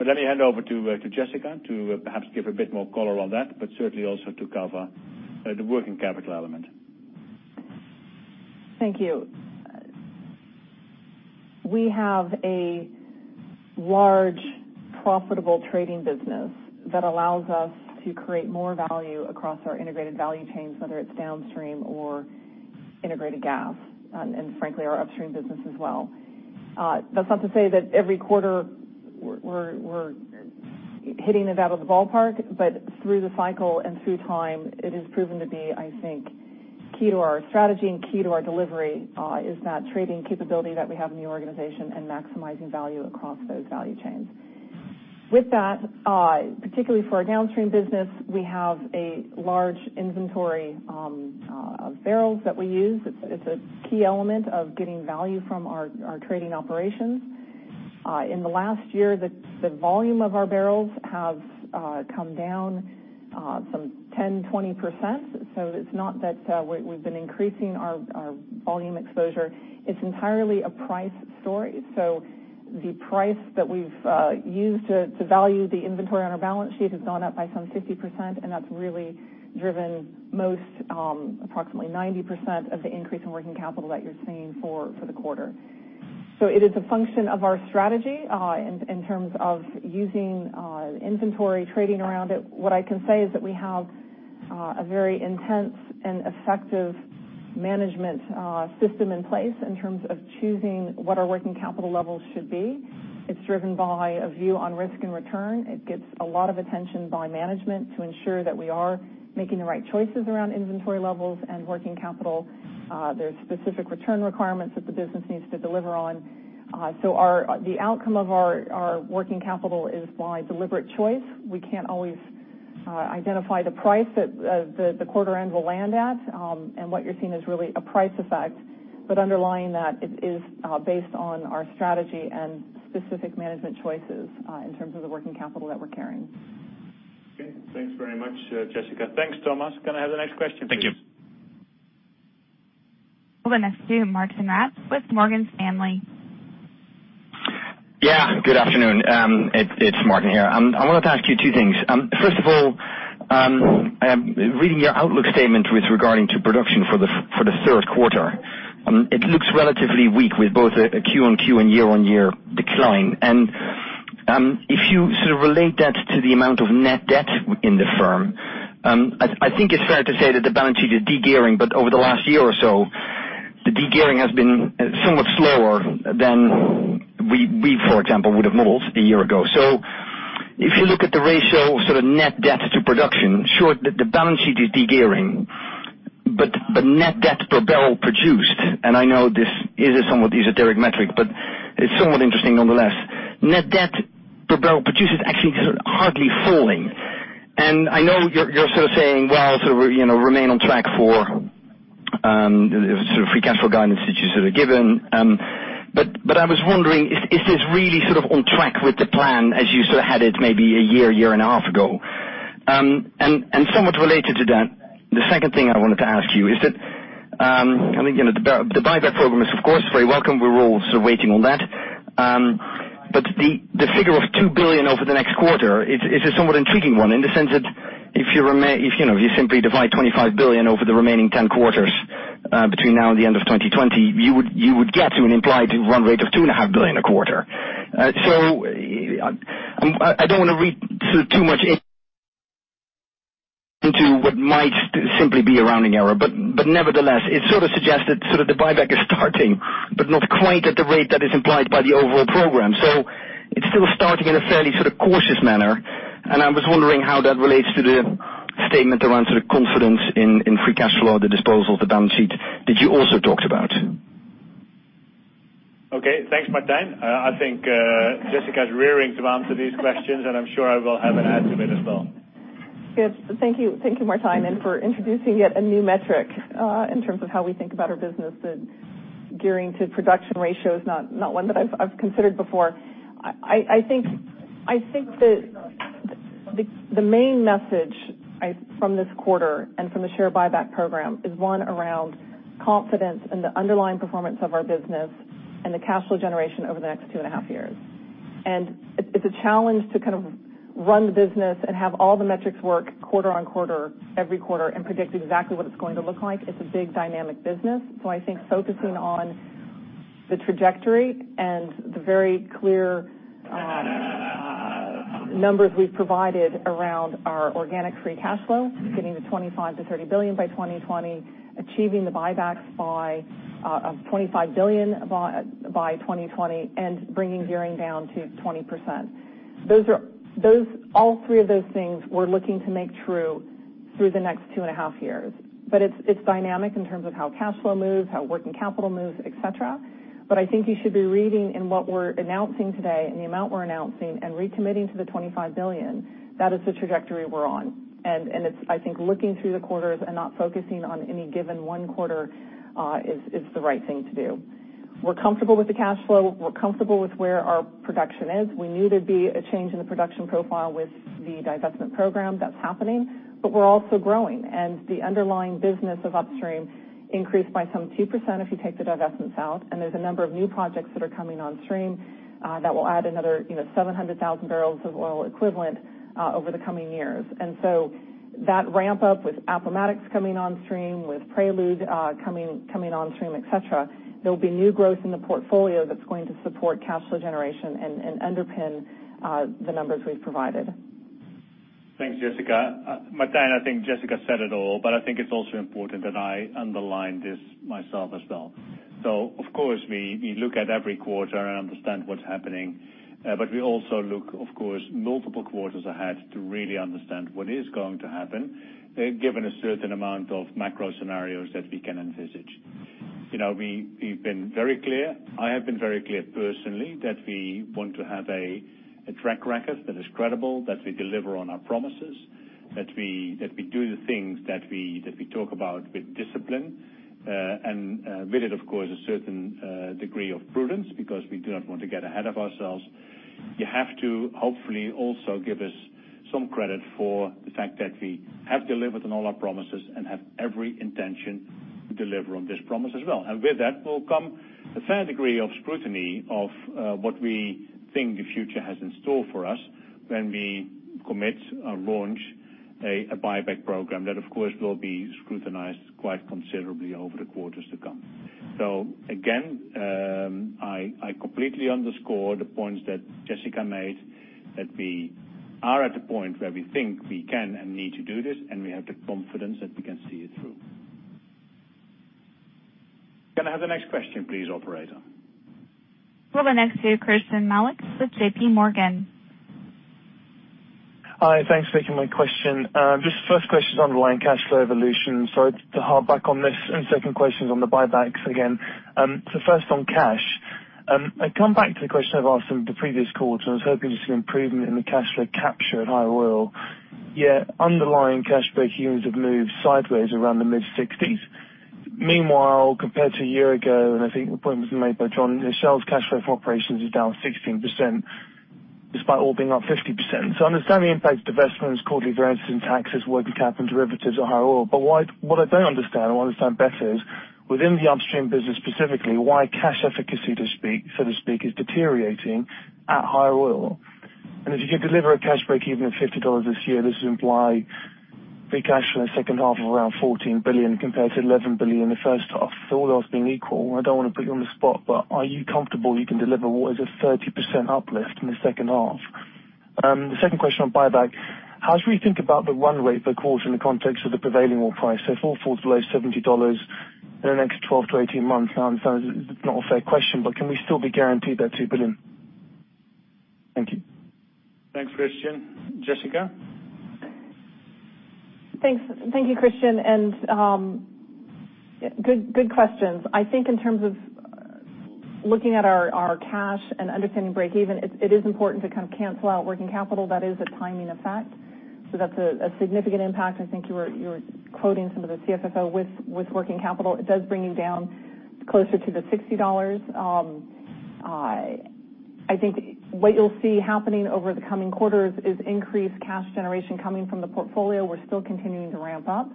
Let me hand over to Jessica to perhaps give a bit more color on that, certainly also to cover the working capital element. Thank you. We have a large profitable trading business that allows us to create more value across our integrated value chains, whether it's downstream or integrated gas. Frankly, our upstream business as well. That's not to say that every quarter we're hitting it out of the ballpark. Through the cycle and through time, it has proven to be, I think, key to our strategy and key to our delivery is that trading capability that we have in the organization and maximizing value across those value chains. With that, particularly for our downstream business, we have a large inventory of barrels that we use. It's a key element of getting value from our trading operations. In the last year, the volume of our barrels have come down some 10%-20%. It's not that we've been increasing our volume exposure. It's entirely a price story. The price that we've used to value the inventory on our balance sheet has gone up by some 50%, and that's really driven approximately 90% of the increase in working capital that you're seeing for the quarter. It is a function of our strategy, in terms of using inventory, trading around it. What I can say is that we have a very intense and effective management system in place in terms of choosing what our working capital levels should be. It's driven by a view on risk and return. It gets a lot of attention by management to ensure that we are making the right choices around inventory levels and working capital. There's specific return requirements that the business needs to deliver on. The outcome of our working capital is by deliberate choice. We can't always identify the price that the quarter end will land at. What you're seeing is really a price effect, but underlying that, it is based on our strategy and specific management choices in terms of the working capital that we're carrying. Okay. Thanks very much, Jessica. Thanks, Thomas. Can I have the next question, please? Thank you. We'll go next to Martijn Rats with Morgan Stanley. Yeah, good afternoon. It's Martijn here. I wanted to ask you two things. First of all, reading your outlook statement with regarding to production for the third quarter. It looks relatively weak with both a quarter-on-quarter and year-on-year decline. If you sort of relate that to the amount of net debt in the firm, I think it's fair to say that the balance sheet is de-gearing, but over the last year or so, the de-gearing has been somewhat slower than we, for example, would have modeled a year ago. If you look at the ratio, sort of net debt to production, sure, the balance sheet is de-gearing, but net debt per barrel produced, and I know this is a somewhat esoteric metric, but it's somewhat interesting nonetheless. Net debt per barrel produced is actually sort of hardly falling. I know you're sort of saying, well, sort of remain on track for sort of free cash flow guidance that you sort of given. I was wondering, is this really sort of on track with the plan as you sort of had it maybe a year and a half ago? Somewhat related to that, the second thing I wanted to ask you is that I think the buyback program is of course very welcome. We're all sort of waiting on that. The figure of $2 billion over the next quarter is a somewhat intriguing one in the sense that if you simply divide $25 billion over the remaining 10 quarters between now and the end of 2020, you would get to an implied run rate of two and a half billion a quarter. I don't want to read too much into what might simply be a rounding error, but nevertheless, it sort of suggests that the buyback is starting, but not quite at the rate that is implied by the overall program. It's still starting in a fairly cautious manner, and I was wondering how that relates to the statement around confidence in free cash flow at the disposal of the balance sheet that you also talked about. Okay, thanks, Martijn. I think Jessica is rearing to answer these questions, and I'm sure I will have an add to it as well. Good. Thank you, Martijn, for introducing yet a new metric in terms of how we think about our business. The gearing to production ratio is not one that I've considered before. I think that the main message from this quarter and from the share buyback program is one around confidence in the underlying performance of our business and the cash flow generation over the next two and a half years. It's a challenge to kind of run the business and have all the metrics work quarter on quarter every quarter and predict exactly what it's going to look like. It's a big, dynamic business, so I think focusing on the trajectory and the very clear numbers we've provided around our organic free cash flow, getting to $25 billion-$30 billion by 2020, achieving the buybacks of $25 billion by 2020, and bringing gearing down to 20%. All three of those things we're looking to make true through the next two and a half years. It's dynamic in terms of how cash flow moves, how working capital moves, et cetera. I think you should be reading in what we're announcing today and the amount we're announcing and recommitting to the $25 billion, that is the trajectory we're on. It's, I think, looking through the quarters and not focusing on any given one quarter is the right thing to do. We're comfortable with the cash flow. We're comfortable with where our production is. We knew there'd be a change in the production profile with the divestment program. That's happening, but we're also growing, and the underlying business of upstream increased by some 2% if you take the divestments out, and there's a number of new projects that are coming on stream that will add another 700,000 barrels of oil equivalent over the coming years. So that ramp up with Appomattox coming on stream, with Prelude coming on stream, et cetera, there'll be new growth in the portfolio that's going to support cash flow generation and underpin the numbers we've provided. Thanks, Jessica. Martijn, I think Jessica said it all, but I think it's also important that I underline this myself as well. Of course, we look at every quarter and understand what's happening. We also look, of course, multiple quarters ahead to really understand what is going to happen given a certain amount of macro scenarios that we can envisage. We've been very clear, I have been very clear personally, that we want to have a track record that is credible, that we deliver on our promises, that we do the things that we talk about with discipline, and with it, of course, a certain degree of prudence because we do not want to get ahead of ourselves. You have to hopefully also give us some credit for the fact that we have delivered on all our promises and have every intention to deliver on this promise as well. And with that will come a fair degree of scrutiny of what we think the future has in store for us when we commit or launch a buyback program that, of course, will be scrutinized quite considerably over the quarters to come. Again, I completely underscore the points that Jessica made, that we are at the point where we think we can and need to do this, and we have the confidence that we can see it through. Can I have the next question please, operator? We'll go next to Christyan Malek with JP Morgan. Hi, thanks for taking my question. Just the first question is on the line cash flow evolution, so to harp back on this, and second question is on the buybacks again. First on cash. I come back to the question I've asked on the previous calls, and I was hoping to see an improvement in the cash flow capture at higher oil. Yet underlying cash break-evens have moved sideways around the mid-60s. Meanwhile, compared to a year ago, and I think the point was made by Jon, Shell's cash flow from operations is down 16%, despite oil being up 50%. I understand the impact of divestments, quarterly variances in taxes, working capital and derivatives or higher oil. What I don't understand, or I want to understand better, is within the upstream business specifically, why cash efficacy, so to speak, is deteriorating at higher oil. If you can deliver a cash break even at $50 this year, this would imply free cash from the second half of around $14 billion compared to $11 billion in the first half. All else being equal, I don't want to put you on the spot, but are you comfortable you can deliver what is a 30% uplift in the second half? The second question on buyback. How should we think about the run rate per quarter in the context of the prevailing oil price? If oil falls below $70 in the next 12-18 months, I understand it's not a fair question, but can we still be guaranteed that $2 billion? Thank you. Thanks, Christyan. Jessica? Thanks. Thank you, Christyan. Good questions. I think in terms of looking at our cash and understanding break even, it is important to kind of cancel out working capital. That is a timing effect. That's a significant impact. I think you were quoting some of the CFFO with working capital. It does bring you down closer to the $60. I think what you'll see happening over the coming quarters is increased cash generation coming from the portfolio. We're still continuing to ramp up.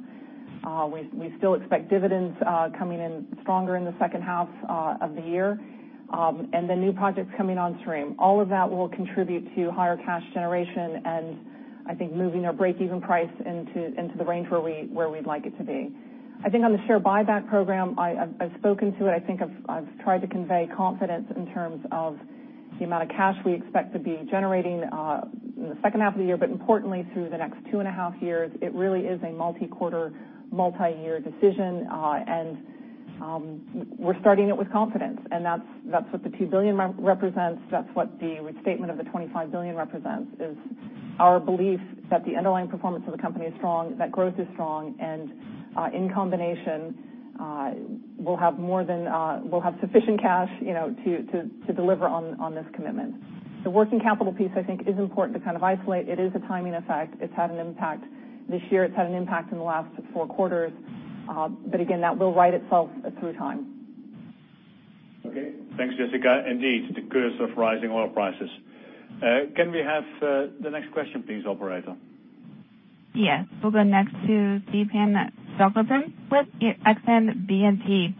We still expect dividends coming in stronger in the second half of the year, and the new projects coming on stream. All of that will contribute to higher cash generation and I think moving our break even price into the range where we'd like it to be. I think on the share buyback program, I've spoken to it, I think I've tried to convey confidence in terms of the amount of cash we expect to be generating in the second half of the year, but importantly through the next two and a half years. It really is a multi-quarter, multi-year decision, and we're starting it with confidence. That's what the $2 billion represents. That's what the restatement of the $25 billion represents, is our belief that the underlying performance of the company is strong, that growth is strong, and, in combination, we'll have sufficient cash to deliver on this commitment. The working capital piece I think is important to kind of isolate. It is a timing effect. It's had an impact this year. It's had an impact in the last four quarters. Again, that will right itself through time. Okay. Thanks, Jessica. Indeed, the curse of rising oil prices. Can we have the next question please, operator? Yes. We'll go next to Tapan Polley with Exane BNP Paribas.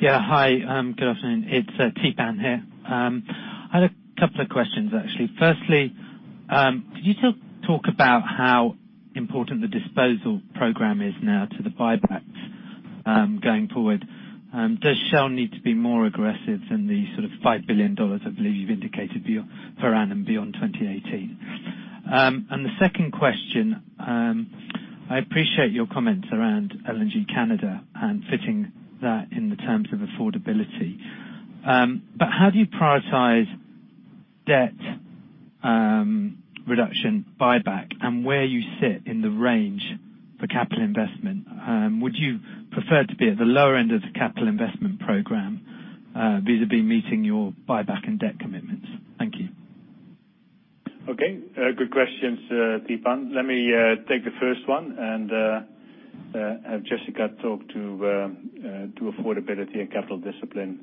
Yeah. Hi, good afternoon. It's Tapan here. I had a couple of questions, actually. Firstly, could you talk about how important the disposal program is now to the buybacks going forward? Does Shell need to be more aggressive than the sort of $5 billion I believe you've indicated per annum beyond 2018? The second question, I appreciate your comments around LNG Canada and fitting that in the terms of affordability. How do you prioritize debt reduction, buyback, and where you sit in the range for capital investment? Would you prefer to be at the lower end of the capital investment program, vis-a-vis meeting your buyback and debt commitments? Thank you. Okay. Good questions, Tapan. Let me take the first one and have Jessica talk to affordability and capital discipline,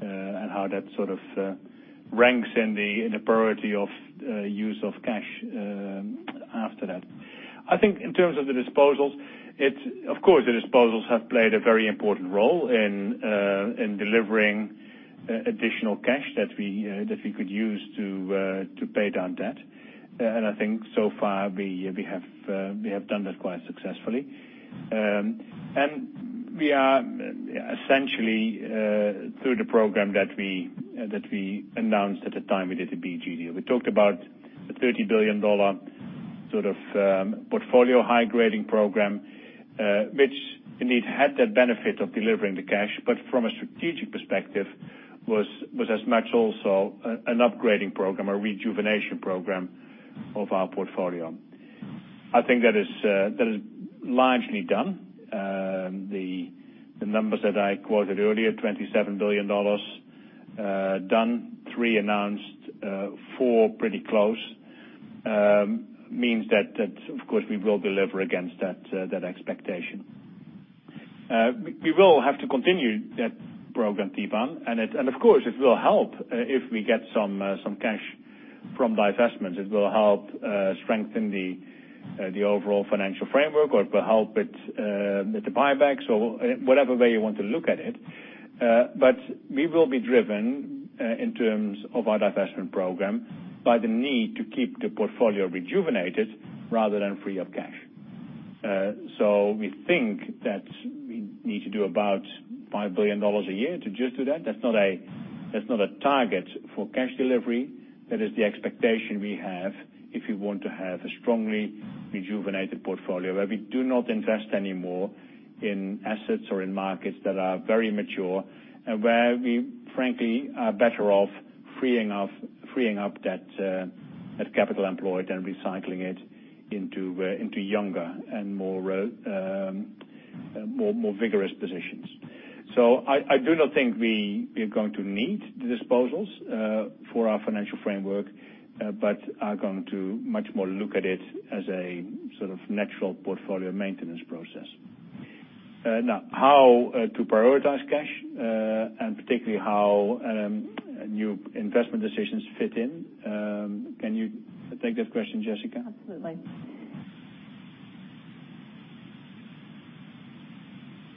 and how that sort of ranks in the priority of use of cash after that. I think in terms of the disposals, of course, the disposals have played a very important role in delivering additional cash that we could use to pay down debt. I think so far we have done that quite successfully. We are essentially through the program that we announced at the time we did the BG deal. We talked about a $30 billion sort of portfolio high-grading program, which indeed had that benefit of delivering the cash, but from a strategic perspective, was as much also an upgrading program, a rejuvenation program of our portfolio. I think that is largely done. The numbers that I quoted earlier, $27 billion done, three announced, four pretty close, means that of course we will deliver against that expectation. We will have to continue that program, Tapan. Of course, it will help if we get some cash from divestments. It will help strengthen the overall financial framework, or it will help with the buybacks or whatever way you want to look at it. We will be driven in terms of our divestment program by the need to keep the portfolio rejuvenated rather than free of cash. We think that we need to do about $5 billion a year to just do that. That's not a target for cash delivery. That is the expectation we have if we want to have a strongly rejuvenated portfolio where we do not invest any more in assets or in markets that are very mature, and where we frankly are better off freeing up that capital employed and recycling it into younger and more vigorous positions. I do not think we are going to need the disposals for our financial framework, but are going to much more look at it as a sort of natural portfolio maintenance process. Now, how to prioritize cash, and particularly how new investment decisions fit in, can you take that question, Jessica?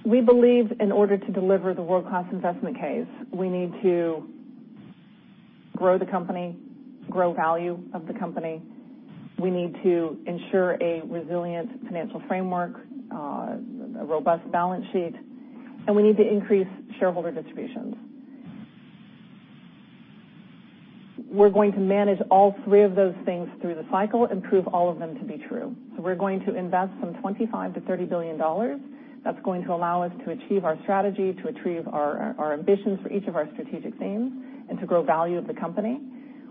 Absolutely. We believe in order to deliver the world-class investment case, we need to grow the company, grow value of the company. We need to ensure a resilient financial framework, a robust balance sheet, and we need to increase shareholder distributions. We're going to manage all three of those things through the cycle and prove all of them to be true. We're going to invest some $25 billion-$30 billion. That's going to allow us to achieve our strategy, to achieve our ambitions for each of our strategic themes, and to grow value of the company.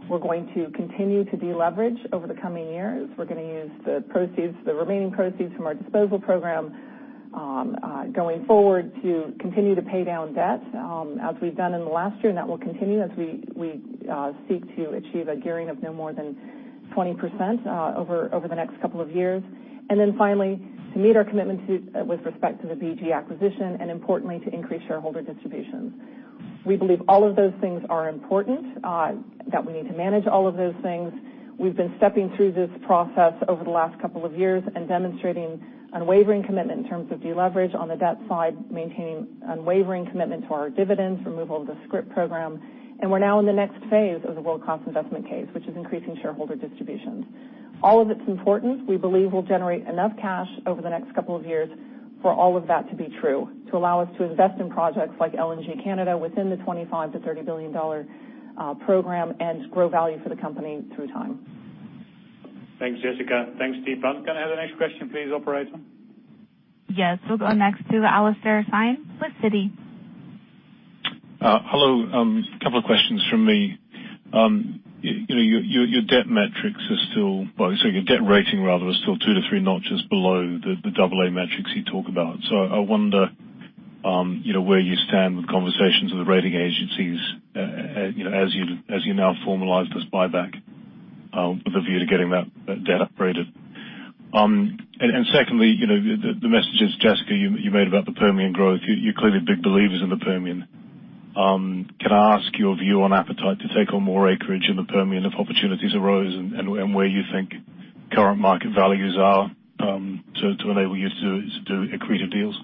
We're going to continue to deleverage over the coming years. We're going to use the remaining proceeds from our disposal program going forward to continue to pay down debt, as we've done in the last year, and that will continue as we seek to achieve a gearing of no more than 20% over the next couple of years. Finally, to meet our commitment with respect to the BG acquisition, and importantly, to increase shareholder distributions. We believe all of those things are important, that we need to manage all of those things. We've been stepping through this process over the last couple of years and demonstrating unwavering commitment in terms of deleverage on the debt side, maintaining unwavering commitment to our dividends, removal of the scrip program, and we're now in the next phase of the world-class investment case, which is increasing shareholder distributions. All of it's important. We believe we'll generate enough cash over the next couple of years for all of that to be true, to allow us to invest in projects like LNG Canada within the $25 billion-$30 billion program and grow value for the company through time. Thanks, Jessica. Thanks, Tapan. Can I have the next question please, operator? Yes. We'll go next to Alastair Syme with Citi. Hello. Couple of questions from me. Your debt metrics are still, well, sorry, your debt rating rather is still 2-3 notches below the AA metrics you talk about. I wonder where you stand with conversations with the rating agencies as you now formalize this buyback, with a view to getting that debt upgraded. Secondly, the messages, Jessica, you made about the Permian growth, you're clearly big believers in the Permian. Can I ask your view on appetite to take on more acreage in the Permian if opportunities arose and where you think current market values are to enable you to do accretive deals?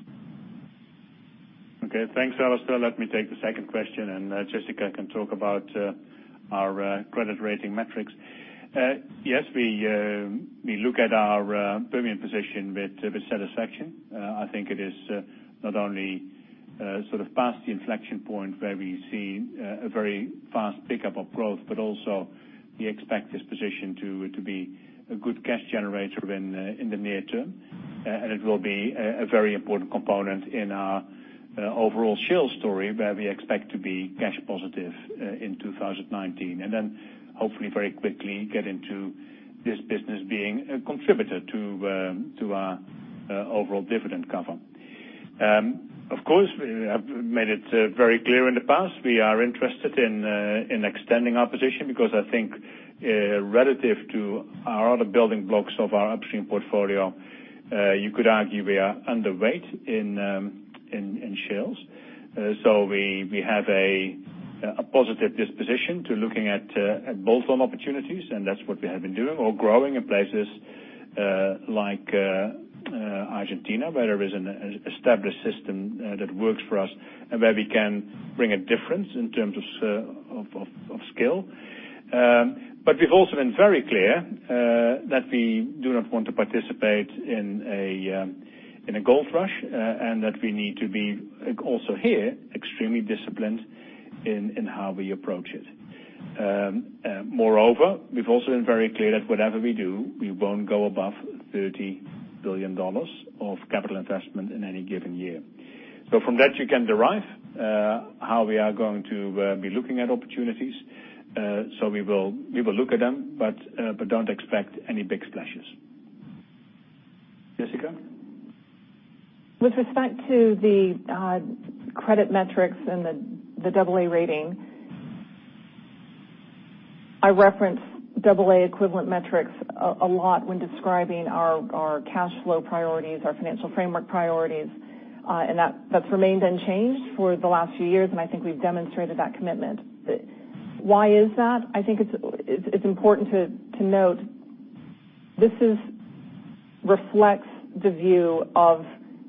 Okay. Thanks, Alastair. Let me take the second question, Jessica can talk about our credit rating metrics. Yes, we look at our Permian position with satisfaction. I think it is not only sort of past the inflection point where we see a very fast pickup of growth, but also we expect this position to be a good cash generator in the near term. It will be a very important component in our overall Shell story where we expect to be cash positive in 2019, hopefully very quickly get into this business being a contributor to our overall dividend cover. Of course, we have made it very clear in the past we are interested in extending our position because I think relative to our other building blocks of our upstream portfolio, you could argue we are underweight in Shell. We have a positive disposition to looking at bolt-on opportunities, and that's what we have been doing or growing in places like Argentina where there is an established system that works for us and where we can bring a difference in terms of skill. We've also been very clear that we do not want to participate in a gold rush and that we need to be also here extremely disciplined in how we approach it. Moreover, we've also been very clear that whatever we do, we won't go above $30 billion of capital investment in any given year. From that, you can derive how we are going to be looking at opportunities. We will look at them, but don't expect any big splashes. Jessica? With respect to the credit metrics and the AA rating, I reference AA equivalent metrics a lot when describing our cash flow priorities, our financial framework priorities, that's remained unchanged for the last few years, and I think we've demonstrated that commitment. Why is that? I think it's important to note this reflects the view of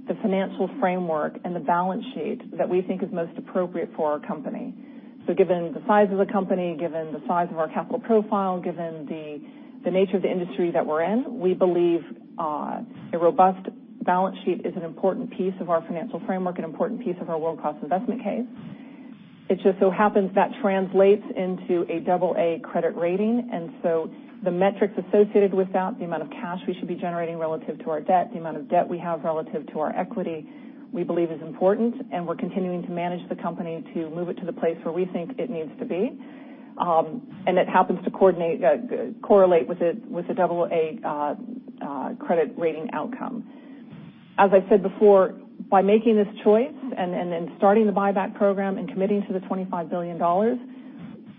the financial framework and the balance sheet that we think is most appropriate for our company. Given the size of the company, given the size of our capital profile, given the nature of the industry that we're in, we believe a robust balance sheet is an important piece of our financial framework, an important piece of our world-class investment case. It just so happens that translates into a AA credit rating, the metrics associated with that, the amount of cash we should be generating relative to our debt, the amount of debt we have relative to our equity, we believe is important, and we're continuing to manage the company to move it to the place where we think it needs to be. It happens to correlate with a AA credit rating outcome. As I said before, by making this choice and then starting the buyback program and committing to the $25 billion,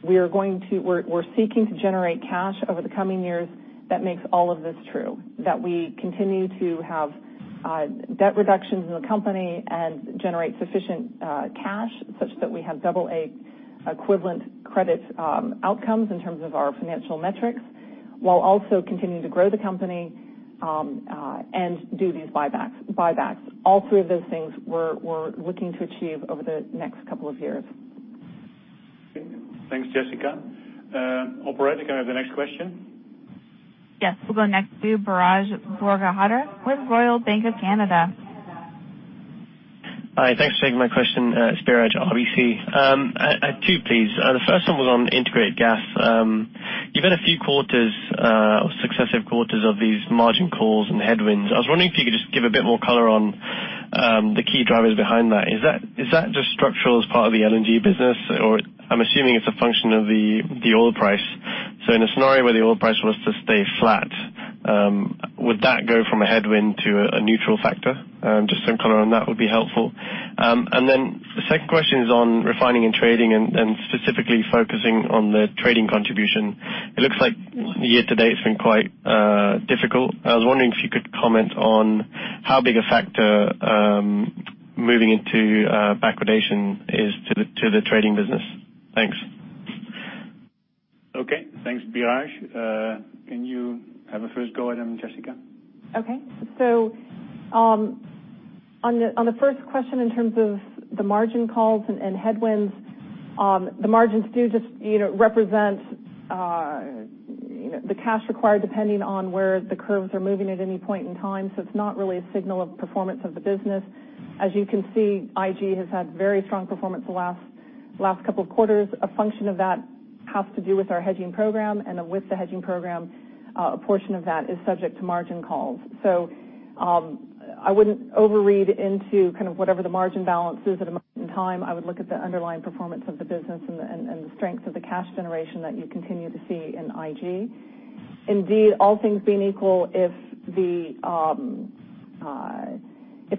we're seeking to generate cash over the coming years that makes all of this true. That we continue to have debt reductions in the company and generate sufficient cash such that we have AA equivalent credit outcomes in terms of our financial metrics, while also continuing to grow the company and do these buybacks. All three of those things we're looking to achieve over the next couple of years. Okay. Thanks, Jessica. Operator, can I have the next question? Yes. We'll go next to Biraj Borkhataria with Royal Bank of Canada. Hi. Thanks for taking my question. It's Biraj, RBC. I have two, please. The first one was on integrated gas. Given a few successive quarters of these margin calls and headwinds, I was wondering if you could just give a bit more color on the key drivers behind that. Is that just structural as part of the LNG business, or I'm assuming it's a function of the oil price. So in a scenario where the oil price was to stay flat, would that go from a headwind to a neutral factor? Just some color on that would be helpful. The second question is on refining and trading and specifically focusing on the trading contribution. It looks like year-to-date it's been quite difficult. I was wondering if you could comment on how big a factor moving into backwardation is to the trading business. Thanks. Okay. Thanks, Biraj. Can you have a first go at them, Jessica? Okay. On the first question, in terms of the margin calls and headwinds, the margins do just represent the cash required, depending on where the curves are moving at any point in time. It's not really a signal of performance of the business. As you can see, IG has had very strong performance the last couple of quarters. A function of that has to do with our hedging program, and with the hedging program, a portion of that is subject to margin calls. I wouldn't overread into whatever the margin balance is at a moment in time. I would look at the underlying performance of the business and the strength of the cash generation that you continue to see in IG. Indeed, all things being equal, if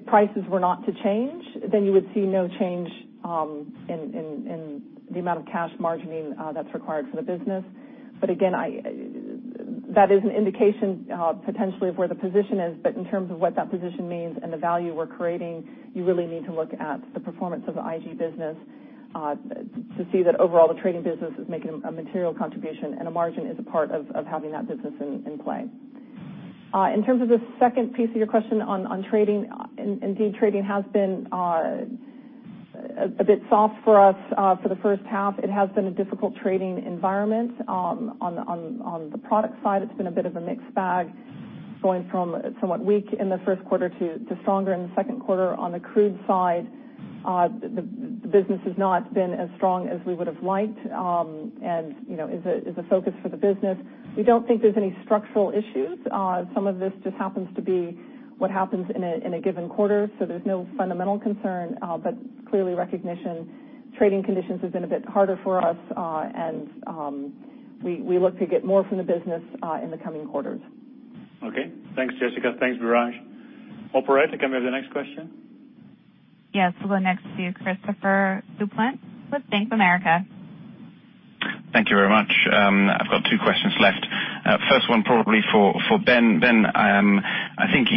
prices were not to change, you would see no change in the amount of cash margining that's required for the business. Again, that is an indication potentially of where the position is. In terms of what that position means and the value we're creating, you really need to look at the performance of the IG business to see that overall the trading business is making a material contribution, and a margin is a part of having that business in play. In terms of the second piece of your question on trading, indeed, trading has been a bit soft for us for the first half. It has been a difficult trading environment. On the product side, it's been a bit of a mixed bag, going from somewhat weak in the first quarter to stronger in the second quarter. On the crude side, the business has not been as strong as we would've liked and is a focus for the business. We don't think there's any structural issues. Some of this just happens to be what happens in a given quarter. There's no fundamental concern. Clearly recognition, trading conditions have been a bit harder for us. We look to get more from the business in the coming quarters. Okay. Thanks, Jessica. Thanks, Biraj. Operator, can we have the next question? Yes. We'll go next to Christopher Kuplent with Bank of America. Thank you very much. I've got two questions left. First one probably for Ben. Ben, I think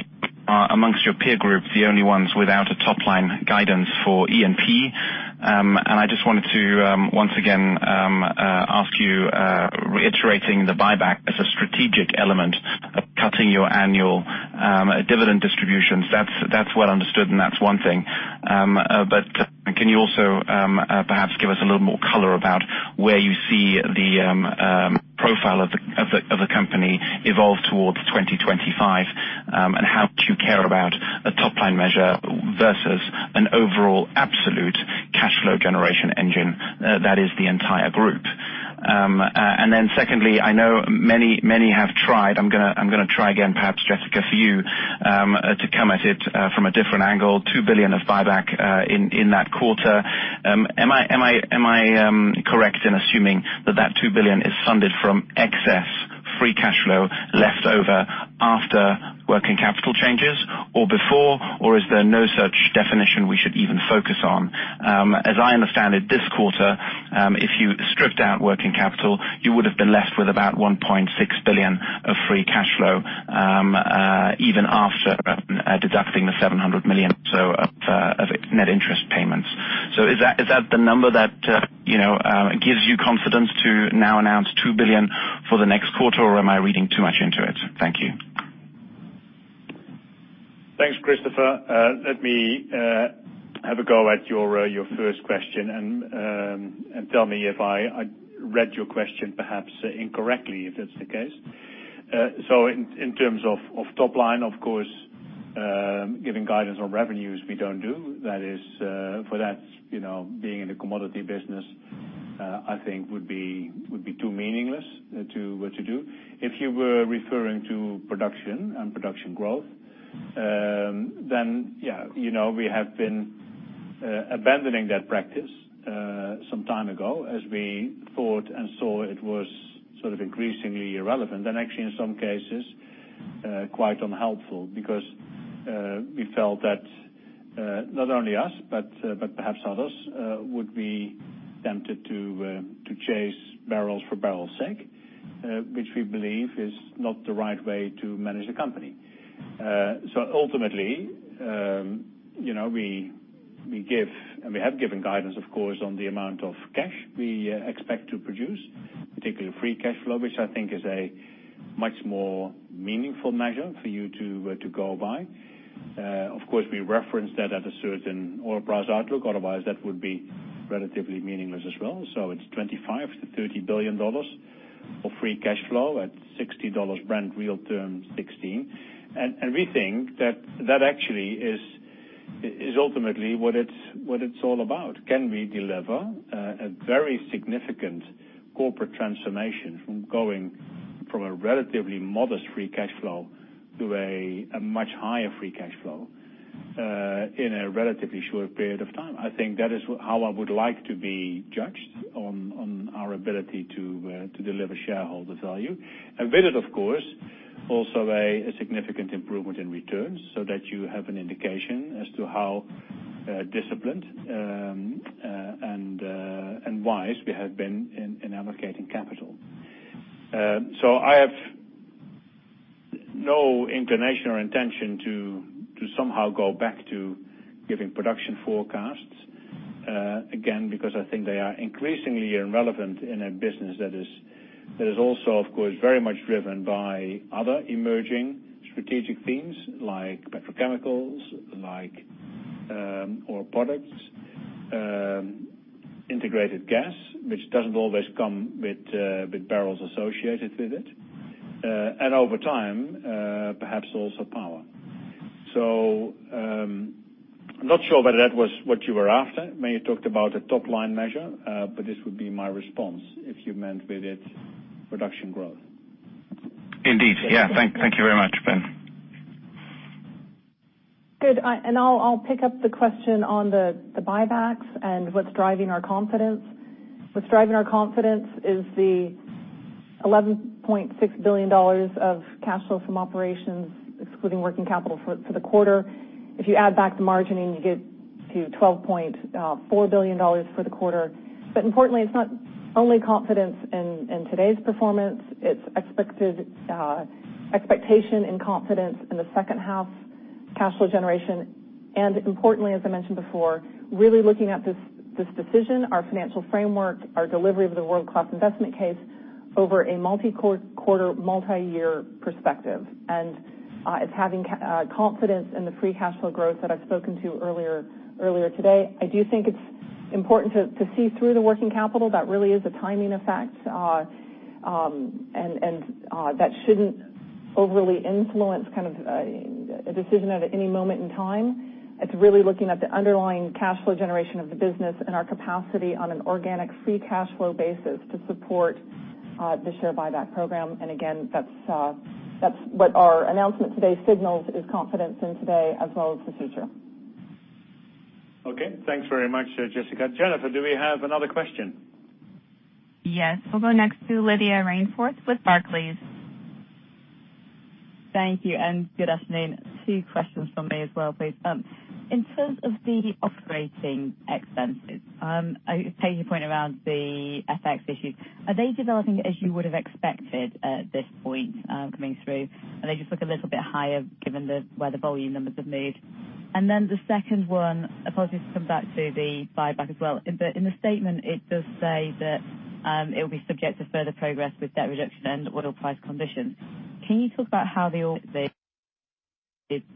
amongst your peer group, the only ones without a top-line guidance for E&P. I just wanted to, once again, ask you, reiterating the buyback as a strategic element of cutting your annual dividend distributions. That's well understood, and that's one thing. Can you also perhaps give us a little more color about where you see the profile of the company evolve towards 2025, and how to care about a top-line measure versus an overall absolute cash flow generation engine that is the entire group? Then secondly, I know many have tried. I'm going to try again, perhaps Jessica, for you to come at it from a different angle. $2 billion of buyback in that quarter. Am I correct in assuming that that $2 billion is funded from excess free cash flow left over after working capital changes or before? Is there no such definition we should even focus on? As I understand it this quarter, if you stripped out working capital, you would have been left with about $1.6 billion of free cash flow, even after deducting the $700 million or so of net interest payments. Is that the number that gives you confidence to now announce $2 billion for the next quarter, or am I reading too much into it? Thank you. Thanks, Christopher. Let me have a go at your first question, tell me if I read your question perhaps incorrectly if that's the case. In terms of top line, of course, giving guidance on revenues, we don't do. For that, being in the commodity business, I think would be too meaningless to do. If you were referring to production and production growth, yeah. We have been abandoning that practice some time ago as we thought and saw it was sort of increasingly irrelevant. Actually in some cases, quite unhelpful because we felt that not only us, but perhaps others would be tempted to chase barrels for barrels' sake, which we believe is not the right way to manage a company. Ultimately, we give and we have given guidance, of course, on the amount of cash we expect to produce, particularly free cash flow, which I think is a much more meaningful measure for you to go by. Of course, we reference that at a certain oil price outlook. Otherwise, that would be relatively meaningless as well. It's $25 billion-$30 billion of free cash flow at $60 Brent real terms 2016. We think that that actually is ultimately what it's all about. Can we deliver a very significant corporate transformation from going from a relatively modest free cash flow to a much higher free cash flow in a relatively short period of time? I think that is how I would like to be judged on our ability to deliver shareholder value. With it, of course, also a significant improvement in returns so that you have an indication as to how disciplined and wise we have been in allocating capital. I have no inclination or intention to somehow go back to giving production forecasts. Again, because I think they are increasingly irrelevant in a business that is also, of course, very much driven by other emerging strategic themes like petrochemicals, like oil products, integrated gas, which doesn't always come with barrels associated with it. Over time, perhaps also power. I'm not sure whether that was what you were after, when you talked about a top-line measure, but this would be my response if you meant with it production growth. Indeed. Yeah. Thank you very much, Ben. Good. I'll pick up the question on the buybacks and what's driving our confidence. What's driving our confidence is the $11.6 billion of cash flow from operations, excluding working capital for the quarter. If you add back the margining, you get to $12.4 billion for the quarter. Importantly, it's not only confidence in today's performance, it's expectation and confidence in the second half cash flow generation. Importantly, as I mentioned before, really looking at this decision, our financial framework, our delivery of the world-class investment case over a multi-quarter, multi-year perspective. It's having confidence in the free cash flow growth that I've spoken to earlier today. I do think it's important to see through the working capital. That really is a timing effect. That shouldn't overly influence a decision at any moment in time. It's really looking at the underlying cash flow generation of the business and our capacity on an organic free cash flow basis to support the share buyback program. Again, that's what our announcement today signals is confidence in today as well as the future. Okay. Thanks very much, Jessica. Jennifer, do we have another question? Yes. We'll go next to Lydia Rainforth with Barclays. Thank you, and good afternoon. Two questions from me as well, please. In terms of the operating expenses, taking your point around the FX issues, are they developing as you would've expected at this point coming through? They just look a little bit higher given where the volume numbers have moved? The second one, I apologize to come back to the buyback as well. In the statement, it does say that it'll be subject to further progress with debt reduction and oil price conditions. Can you talk about how the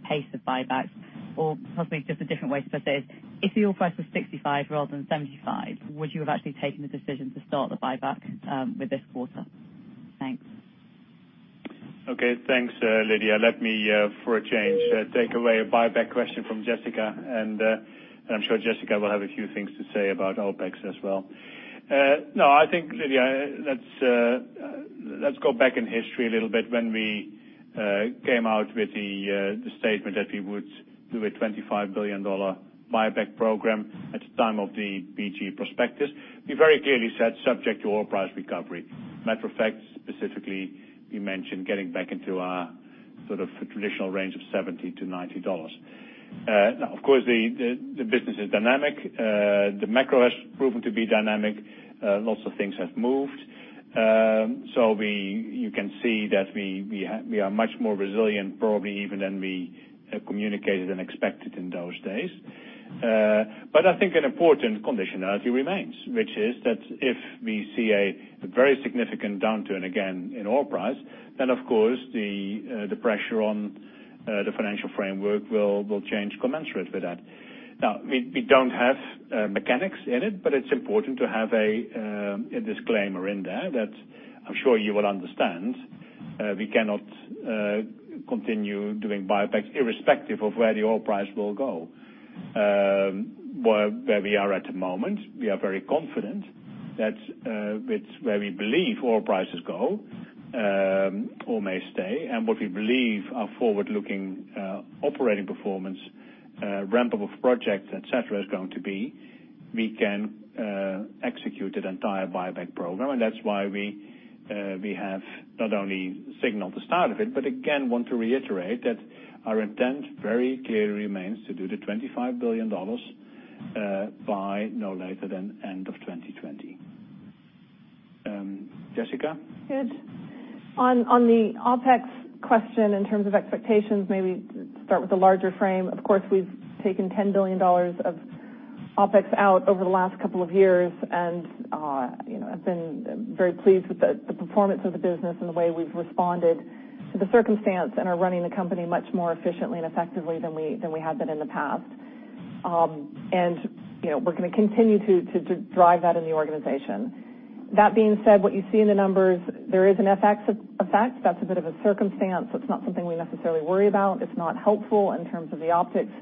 pace of buybacks, or possibly just a different way to put this, if the oil price was $65 rather than $75, would you have actually taken the decision to start the buyback with this quarter? Thanks. Okay. Thanks, Lydia. Let me, for a change, take away a buyback question from Jessica. I'm sure Jessica will have a few things to say about OpEx as well. No, I think, Lydia, let's go back in history a little bit when we came out with the statement that we would do a $25 billion buyback program at the time of the BG prospectus. We very clearly said subject to oil price recovery. Matter of fact, specifically, we mentioned getting back into our sort of traditional range of $70-$90. Of course, the business is dynamic. The macro has proven to be dynamic. Lots of things have moved. You can see that we are much more resilient probably even than we communicated and expected in those days. I think an important conditionality remains, which is that if we see a very significant downturn again in oil price, of course, the pressure on the financial framework will change commensurate with that. We don't have mechanics in it's important to have a disclaimer in there that I'm sure you will understand. We cannot continue doing buybacks irrespective of where the oil price will go. Where we are at the moment, we are very confident that with where we believe oil prices go, or may stay, and what we believe our forward-looking operating performance, ramp-up of projects, et cetera, is going to be, we can execute that entire buyback program. That's why we have not only signaled the start of it, but again want to reiterate that our intent very clearly remains to do the $25 billion by no later than end of 2020. Jessica? Good. On the OpEx question in terms of expectations, maybe start with the larger frame. Of course, we've taken $10 billion of OpEx out over the last couple of years. I've been very pleased with the performance of the business and the way we've responded to the circumstance and are running the company much more efficiently and effectively than we had been in the past. We're going to continue to drive that in the organization. That being said, what you see in the numbers, there is an FX effect. That's a bit of a circumstance. It's not something we necessarily worry about. It's not helpful in terms of the optics.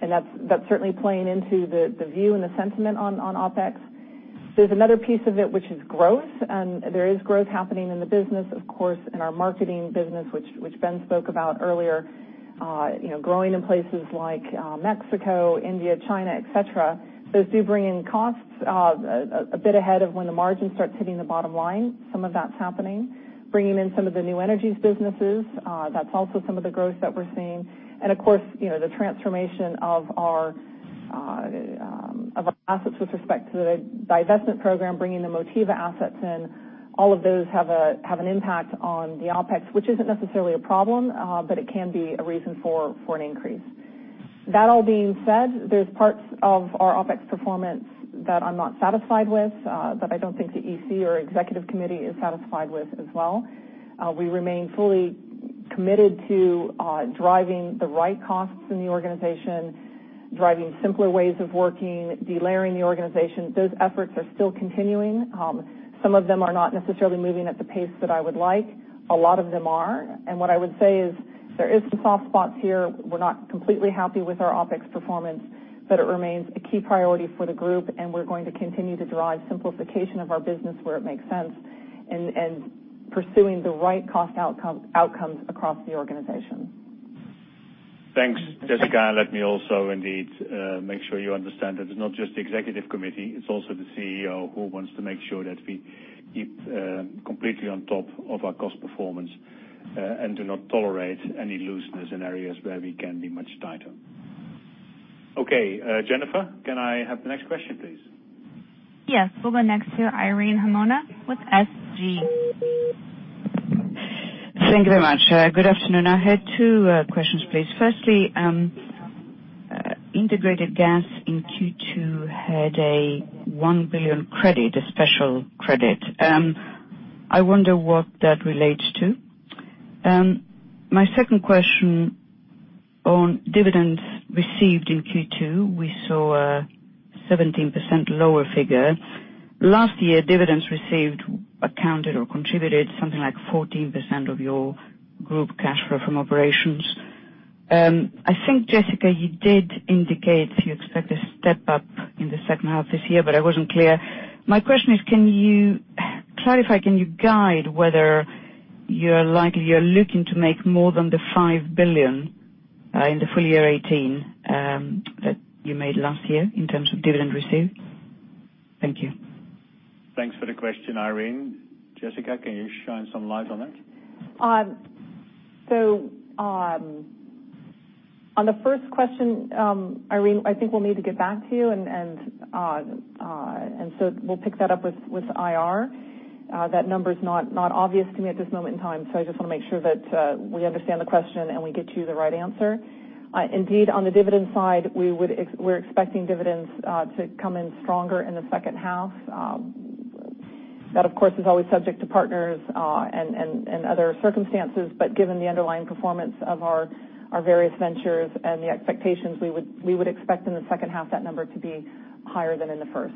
That's certainly playing into the view and the sentiment on OpEx. There's another piece of it, which is growth. There is growth happening in the business, of course, in our marketing business, which Ben spoke about earlier. Growing in places like Mexico, India, China, et cetera. Those do bring in costs a bit ahead of when the margins start hitting the bottom line. Some of that's happening. Bringing in some of the New Energies businesses, that's also some of the growth that we're seeing. Of course, the transformation of our assets with respect to the divestment program, bringing the Motiva assets in, all of those have an impact on the OpEx, which isn't necessarily a problem, but it can be a reason for an increase. That all being said, there's parts of our OpEx performance that I'm not satisfied with, that I don't think the EC or Executive Committee is satisfied with as well. We remain fully committed to driving the right costs in the organization, driving simpler ways of working, de-layering the organization. Those efforts are still continuing. Some of them are not necessarily moving at the pace that I would like. A lot of them are. What I would say is there is some soft spots here. We're not completely happy with our OpEx performance, but it remains a key priority for the group, and we're going to continue to drive simplification of our business where it makes sense and pursuing the right cost outcomes across the organization. Thanks, Jessica. Let me also indeed, make sure you understand that it's not just the Executive Committee, it's also the CEO who wants to make sure that we keep completely on top of our cost performance, and do not tolerate any looseness in areas where we can be much tighter. Okay, Jennifer, can I have the next question, please? Yes. We'll go next to Irene Himona with SG. Thank you very much. Good afternoon. I had two questions, please. Firstly, integrated gas in Q2 had a $1 billion credit, a special credit. I wonder what that relates to. My second question on dividends received in Q2, we saw a 17% lower figure. Last year, dividends received accounted or contributed something like 14% of your group cash flow from operations. I think, Jessica, you did indicate you expect a step up in the second half this year, but I wasn't clear. My question is, can you clarify, can you guide whether you're looking to make more than the $5 billion in the full year 2018 that you made last year in terms of dividend received? Thank you. Thanks for the question, Irene. Jessica, can you shine some light on that? On the first question, Irene, I think we'll need to get back to you and so we'll pick that up with IR. That number's not obvious to me at this moment in time, so I just want to make sure that we understand the question and we get you the right answer. Indeed, on the dividend side, we're expecting dividends to come in stronger in the second half. That, of course, is always subject to partners, and other circumstances. Given the underlying performance of our various ventures and the expectations, we would expect in the second half that number to be higher than in the first.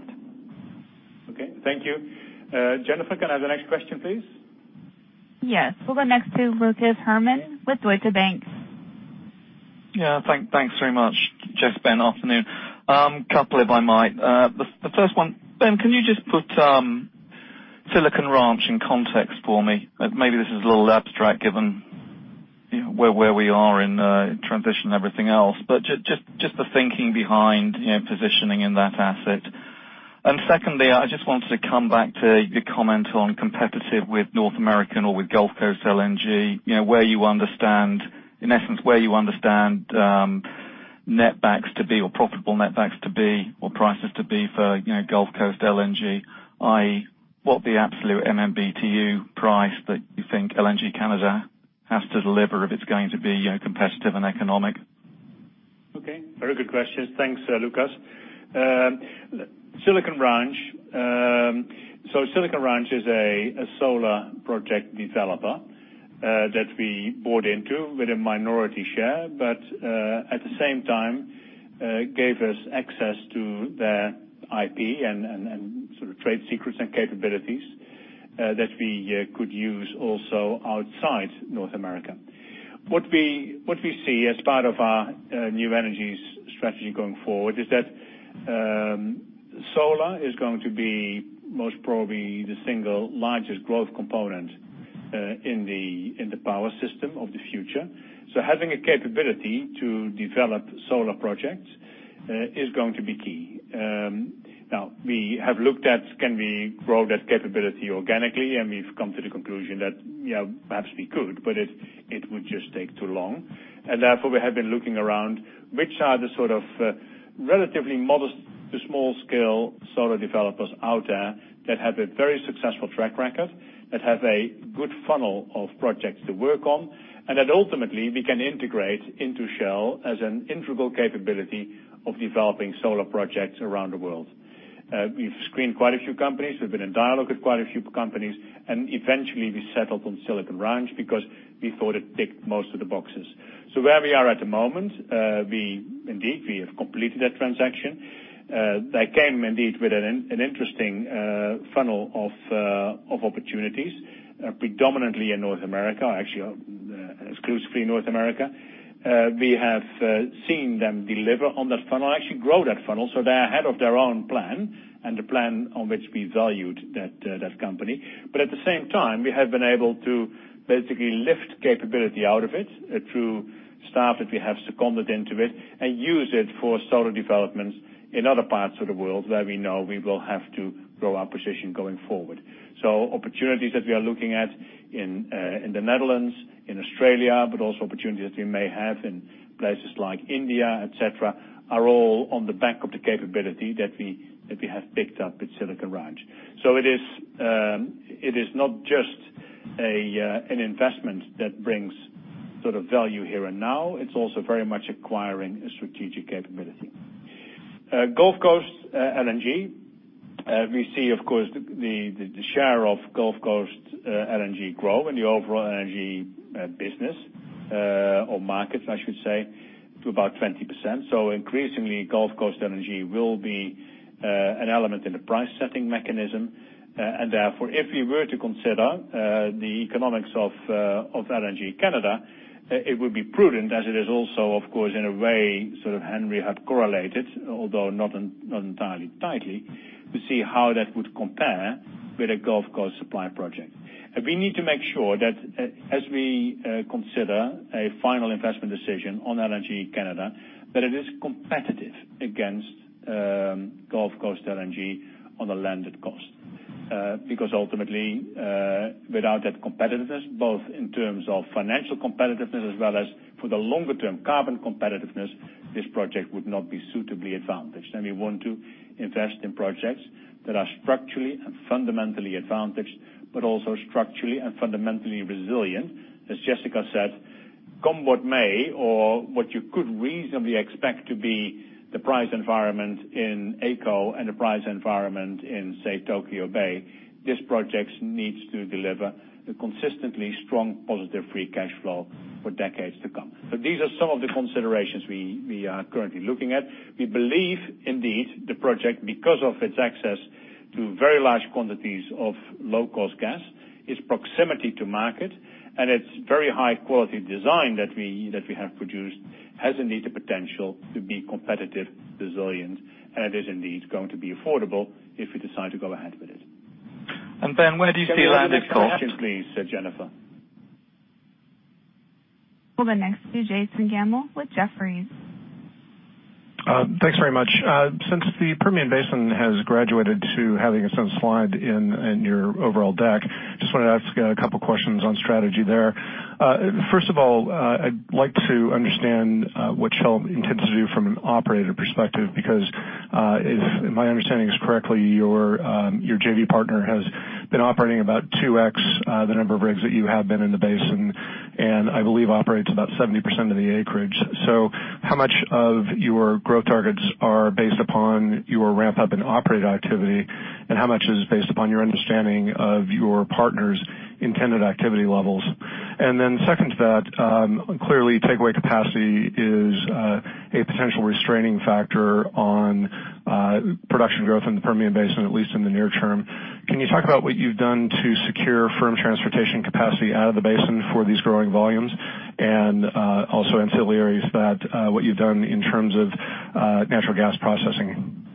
Okay. Thank you. Jennifer, can I have the next question, please? Yes. We'll go next to Lucas Herrmann with Deutsche Bank. Thanks very much, Jess, Ben. Afternoon. Couple if I might. The first one, Ben, can you just put Silicon Ranch in context for me? Maybe this is a little abstract given where we are in transition and everything else, but just the thinking behind positioning in that asset. Secondly, I just wanted to come back to your comment on competitive with North American or with Gulf Coast LNG, in essence, where you understand netbacks to be or profitable netbacks to be or prices to be for Gulf Coast LNG, i.e., what the absolute MMBtu price that you think LNG Canada has to deliver if it's going to be competitive and economic? Very good questions. Thanks, Lucas. Silicon Ranch is a solar project developer that we bought into with a minority share, but at the same time, gave us access to their IP and sort of trade secrets and capabilities that we could use also outside North America. What we see as part of our New Energies strategy going forward is that solar is going to be most probably the single largest growth component in the power system of the future. Having a capability to develop solar projects is going to be key. We have looked at can we grow that capability organically, and we've come to the conclusion that perhaps we could, but it would just take too long, therefore, we have been looking around, which are the sort of relatively modest to small scale solar developers out there that have a very successful track record, that have a good funnel of projects to work on, and that ultimately we can integrate into Shell as an integral capability of developing solar projects around the world. We've screened quite a few companies. We've been in dialogue with quite a few companies, eventually we settled on Silicon Ranch because we thought it ticked most of the boxes. Where we are at the moment, indeed, we have completed that transaction. They came indeed with an interesting funnel of opportunities, predominantly in North America, actually exclusively North America. We have seen them deliver on that funnel, actually grow that funnel. They're ahead of their own plan and the plan on which we valued that company. At the same time, we have been able to basically lift capability out of it through staff that we have seconded into it and use it for solar developments in other parts of the world where we know we will have to grow our position going forward. Opportunities that we are looking at in the Netherlands, in Australia, but also opportunities we may have in places like India, et cetera, are all on the back of the capability that we have picked up with Silicon Ranch. It is not just an investment that brings value here and now. It's also very much acquiring a strategic capability. Gulf Coast LNG, we see, of course, the share of Gulf Coast LNG grow in the overall energy business, or markets, I should say, to about 20%. Increasingly, Gulf Coast energy will be an element in the price setting mechanism. Therefore, if we were to consider the economics of LNG Canada, it would be prudent, as it is also, of course, in a way Henry Hub correlated, although not entirely tightly, to see how that would compare with a Gulf Coast supply project. We need to make sure that as we consider a final investment decision on LNG Canada, that it is competitive against Gulf Coast LNG on the landed cost. Ultimately, without that competitiveness, both in terms of financial competitiveness as well as for the longer-term carbon competitiveness, this project would not be suitably advantaged. We want to invest in projects that are structurally and fundamentally advantaged, but also structurally and fundamentally resilient. As Jessica said, come what may, or what you could reasonably expect to be the price environment in AECO and the price environment in, say, Tokyo Bay, this project needs to deliver a consistently strong positive free cash flow for decades to come. These are some of the considerations we are currently looking at. We believe, indeed, the project, because of its access to very large quantities of low-cost gas, its proximity to market, and its very high-quality design that we have produced, has indeed the potential to be competitive, resilient, and it is indeed going to be affordable if we decide to go ahead with it. Ben, where do you see landed cost? Can we have the next question, please, Jennifer? We'll go next to Jason Gammel with Jefferies. Thanks very much. Since the Permian Basin has graduated to having a slide in your overall deck, just wanted to ask a couple questions on strategy there. First of all, I'd like to understand what Shell intends to do from an operator perspective, because if my understanding is correctly, your JV partner has been operating about two X the number of rigs that you have been in the basin, and I believe operates about 70% of the acreage. How much of your growth targets are based upon your ramp-up in operated activity, and how much is based upon your understanding of your partner's intended activity levels? Second to that, clearly takeaway capacity is a potential restraining factor on production growth in the Permian Basin, at least in the near term. Can you talk about what you've done to secure firm transportation capacity out of the basin for these growing volumes, and also ancillaries that what you've done in terms of natural gas processing?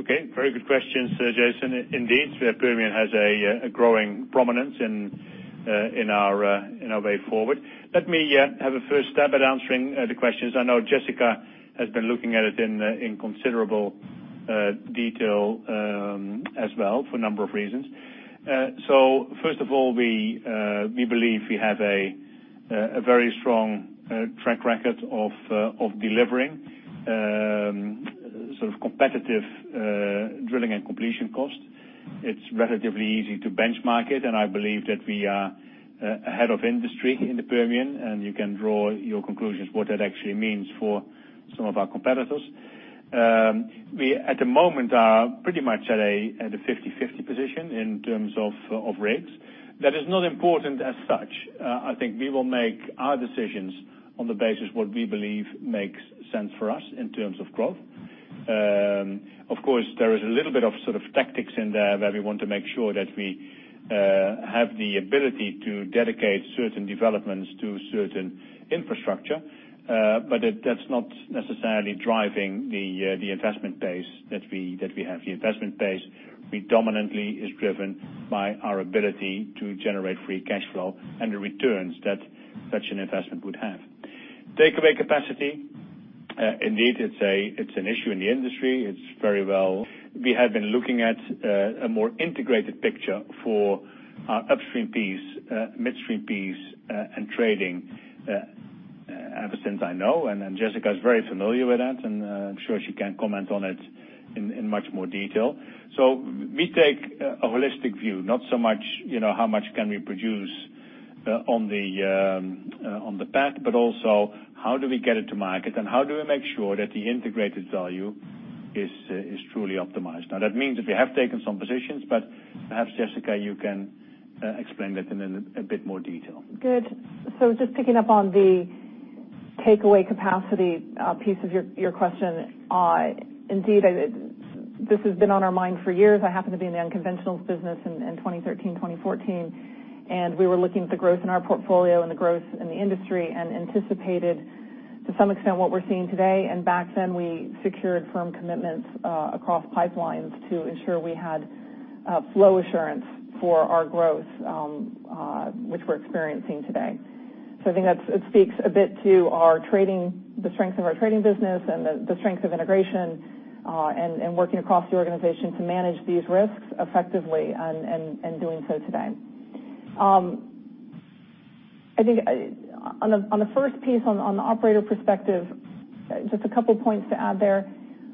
Okay, very good question, Jason. Indeed, Permian has a growing prominence in our way forward. Let me have a first stab at answering the questions. I know Jessica has been looking at it in considerable detail as well for a number of reasons. First of all, we believe we have a very strong track record of delivering competitive drilling and completion cost. It's relatively easy to benchmark it, and I believe that we are ahead of industry in the Permian, and you can draw your conclusions what that actually means for some of our competitors. We, at the moment, are pretty much at a 50/50 position in terms of rigs. That is not important as such. I think we will make our decisions on the basis what we believe makes sense for us in terms of growth. Of course, there is a little bit of tactics in there where we want to make sure that we have the ability to dedicate certain developments to certain infrastructure. That's not necessarily driving the investment pace that we have. The investment pace predominantly is driven by our ability to generate free cash flow and the returns that such an investment would have. Takeaway capacity. Indeed, it's an issue in the industry. We have been looking at a more integrated picture for our upstream piece, midstream piece, and trading ever since I know. Jessica is very familiar with that, and I'm sure she can comment on it in much more detail. We take a holistic view, not so much how much can we produce on the pad, but also how do we get it to market, and how do we make sure that the integrated value is truly optimized. That means that we have taken some positions, perhaps, Jessica, you can explain that in a bit more detail. Good. Just picking up on the takeaway capacity piece of your question. Indeed, this has been on our mind for years. I happened to be in the unconventionals business in 2013, 2014, and we were looking at the growth in our portfolio and the growth in the industry and anticipated to some extent what we're seeing today. Back then we secured firm commitments across pipelines to ensure we had flow assurance for our growth, which we're experiencing today. I think that speaks a bit to the strength of our trading business and the strength of integration, and working across the organization to manage these risks effectively, and doing so today. I think on the first piece, on the operator perspective, just a couple points to add there.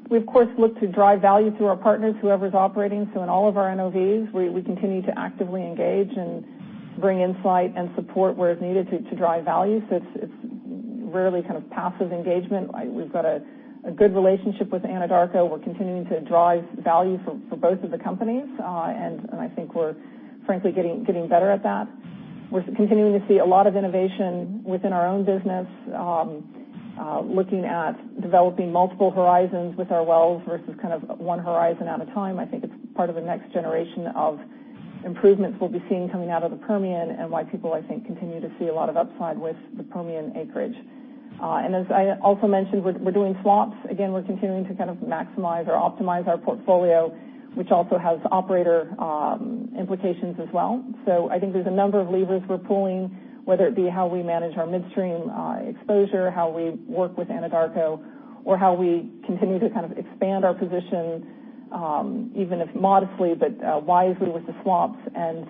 We, of course, look to drive value through our partners, whoever's operating. In all of our NOVs, we continue to actively engage and bring insight and support where it's needed to drive value. It's rarely kind of passive engagement. We've got a good relationship with Anadarko. We're continuing to drive value for both of the companies. I think we're frankly getting better at that. We're continuing to see a lot of innovation within our own business, looking at developing multiple horizons with our wells versus kind of one horizon at a time. I think it's part of a next generation of improvements we'll be seeing coming out of the Permian and why people, I think, continue to see a lot of upside with the Permian acreage. As I also mentioned, we're doing swaps. Again, we're continuing to maximize or optimize our portfolio, which also has operator implications as well. I think there's a number of levers we're pulling, whether it be how we manage our midstream exposure, how we work with Anadarko, or how we continue to kind of expand our position, even if modestly, but wisely with the swaps and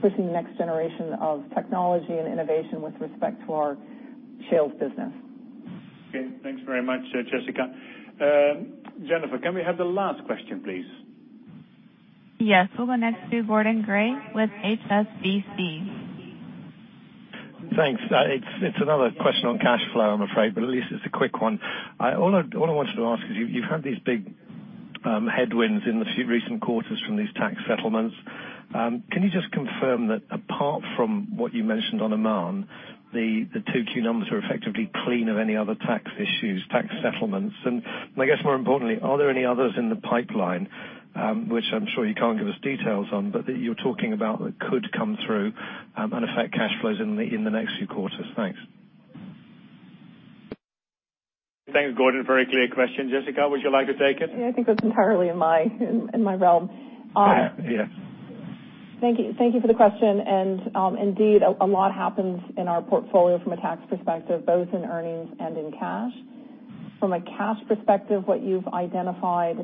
pushing the next generation of technology and innovation with respect to our shales business. Okay, thanks very much, Jessica. Jennifer, can we have the last question, please? Yes. We'll go next to Gordon Gray with HSBC. Thanks. It's another question on cash flow, I'm afraid, but at least it's a quick one. All I wanted to ask is you've had these big headwinds in the recent quarters from these tax settlements. Can you just confirm that apart from what you mentioned on Oman, the 2Q numbers are effectively clean of any other tax issues, tax settlements? I guess more importantly, are there any others in the pipeline? Which I'm sure you can't give us details on, but that you're talking about that could come through and affect cash flows in the next few quarters. Thanks. Thanks, Gordon. Very clear question. Jessica, would you like to take it? Yeah, I think that's entirely in my realm. Yes. Thank you for the question. Indeed, a lot happens in our portfolio from a tax perspective, both in earnings and in cash. From a cash perspective, what you've identified,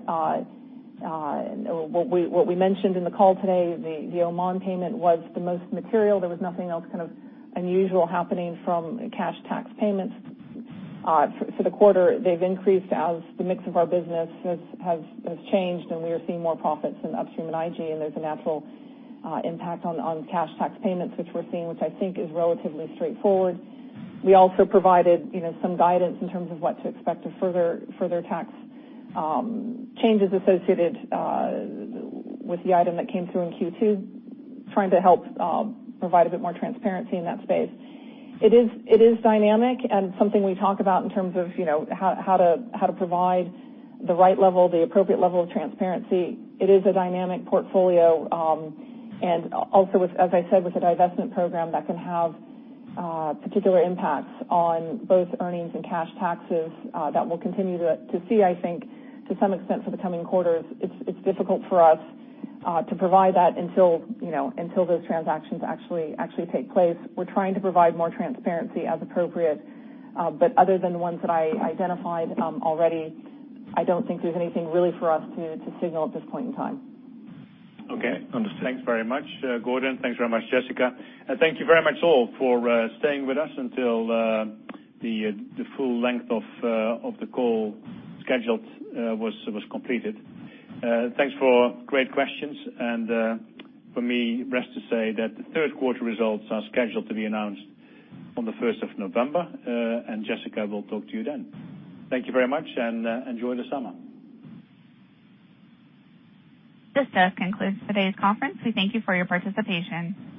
what we mentioned in the call today, the Oman payment was the most material. There was nothing else kind of unusual happening from cash tax payments for the quarter. They've increased as the mix of our business has changed. We are seeing more profits in upstream and IG, there's a natural impact on cash tax payments, which we're seeing, which I think is relatively straightforward. We also provided some guidance in terms of what to expect of further tax changes associated with the item that came through in Q2, trying to help provide a bit more transparency in that space. It is dynamic and something we talk about in terms of how to provide the right level, the appropriate level of transparency. It is a dynamic portfolio, and also as I said, with the divestment program that can have particular impacts on both earnings and cash taxes that we'll continue to see, I think, to some extent for the coming quarters. It's difficult for us to provide that until those transactions actually take place. We're trying to provide more transparency as appropriate. Other than ones that I identified already, I don't think there's anything really for us to signal at this point in time. Okay. Understood. Thanks very much, Gordon. Thanks very much, Jessica. Thank you very much all for staying with us until the full length of the call scheduled was completed. Thanks for great questions. For me, rest to say that the third quarter results are scheduled to be announced on the 1st of November. Jessica will talk to you then. Thank you very much, and enjoy the summer. This does conclude today's conference. We thank you for your participation.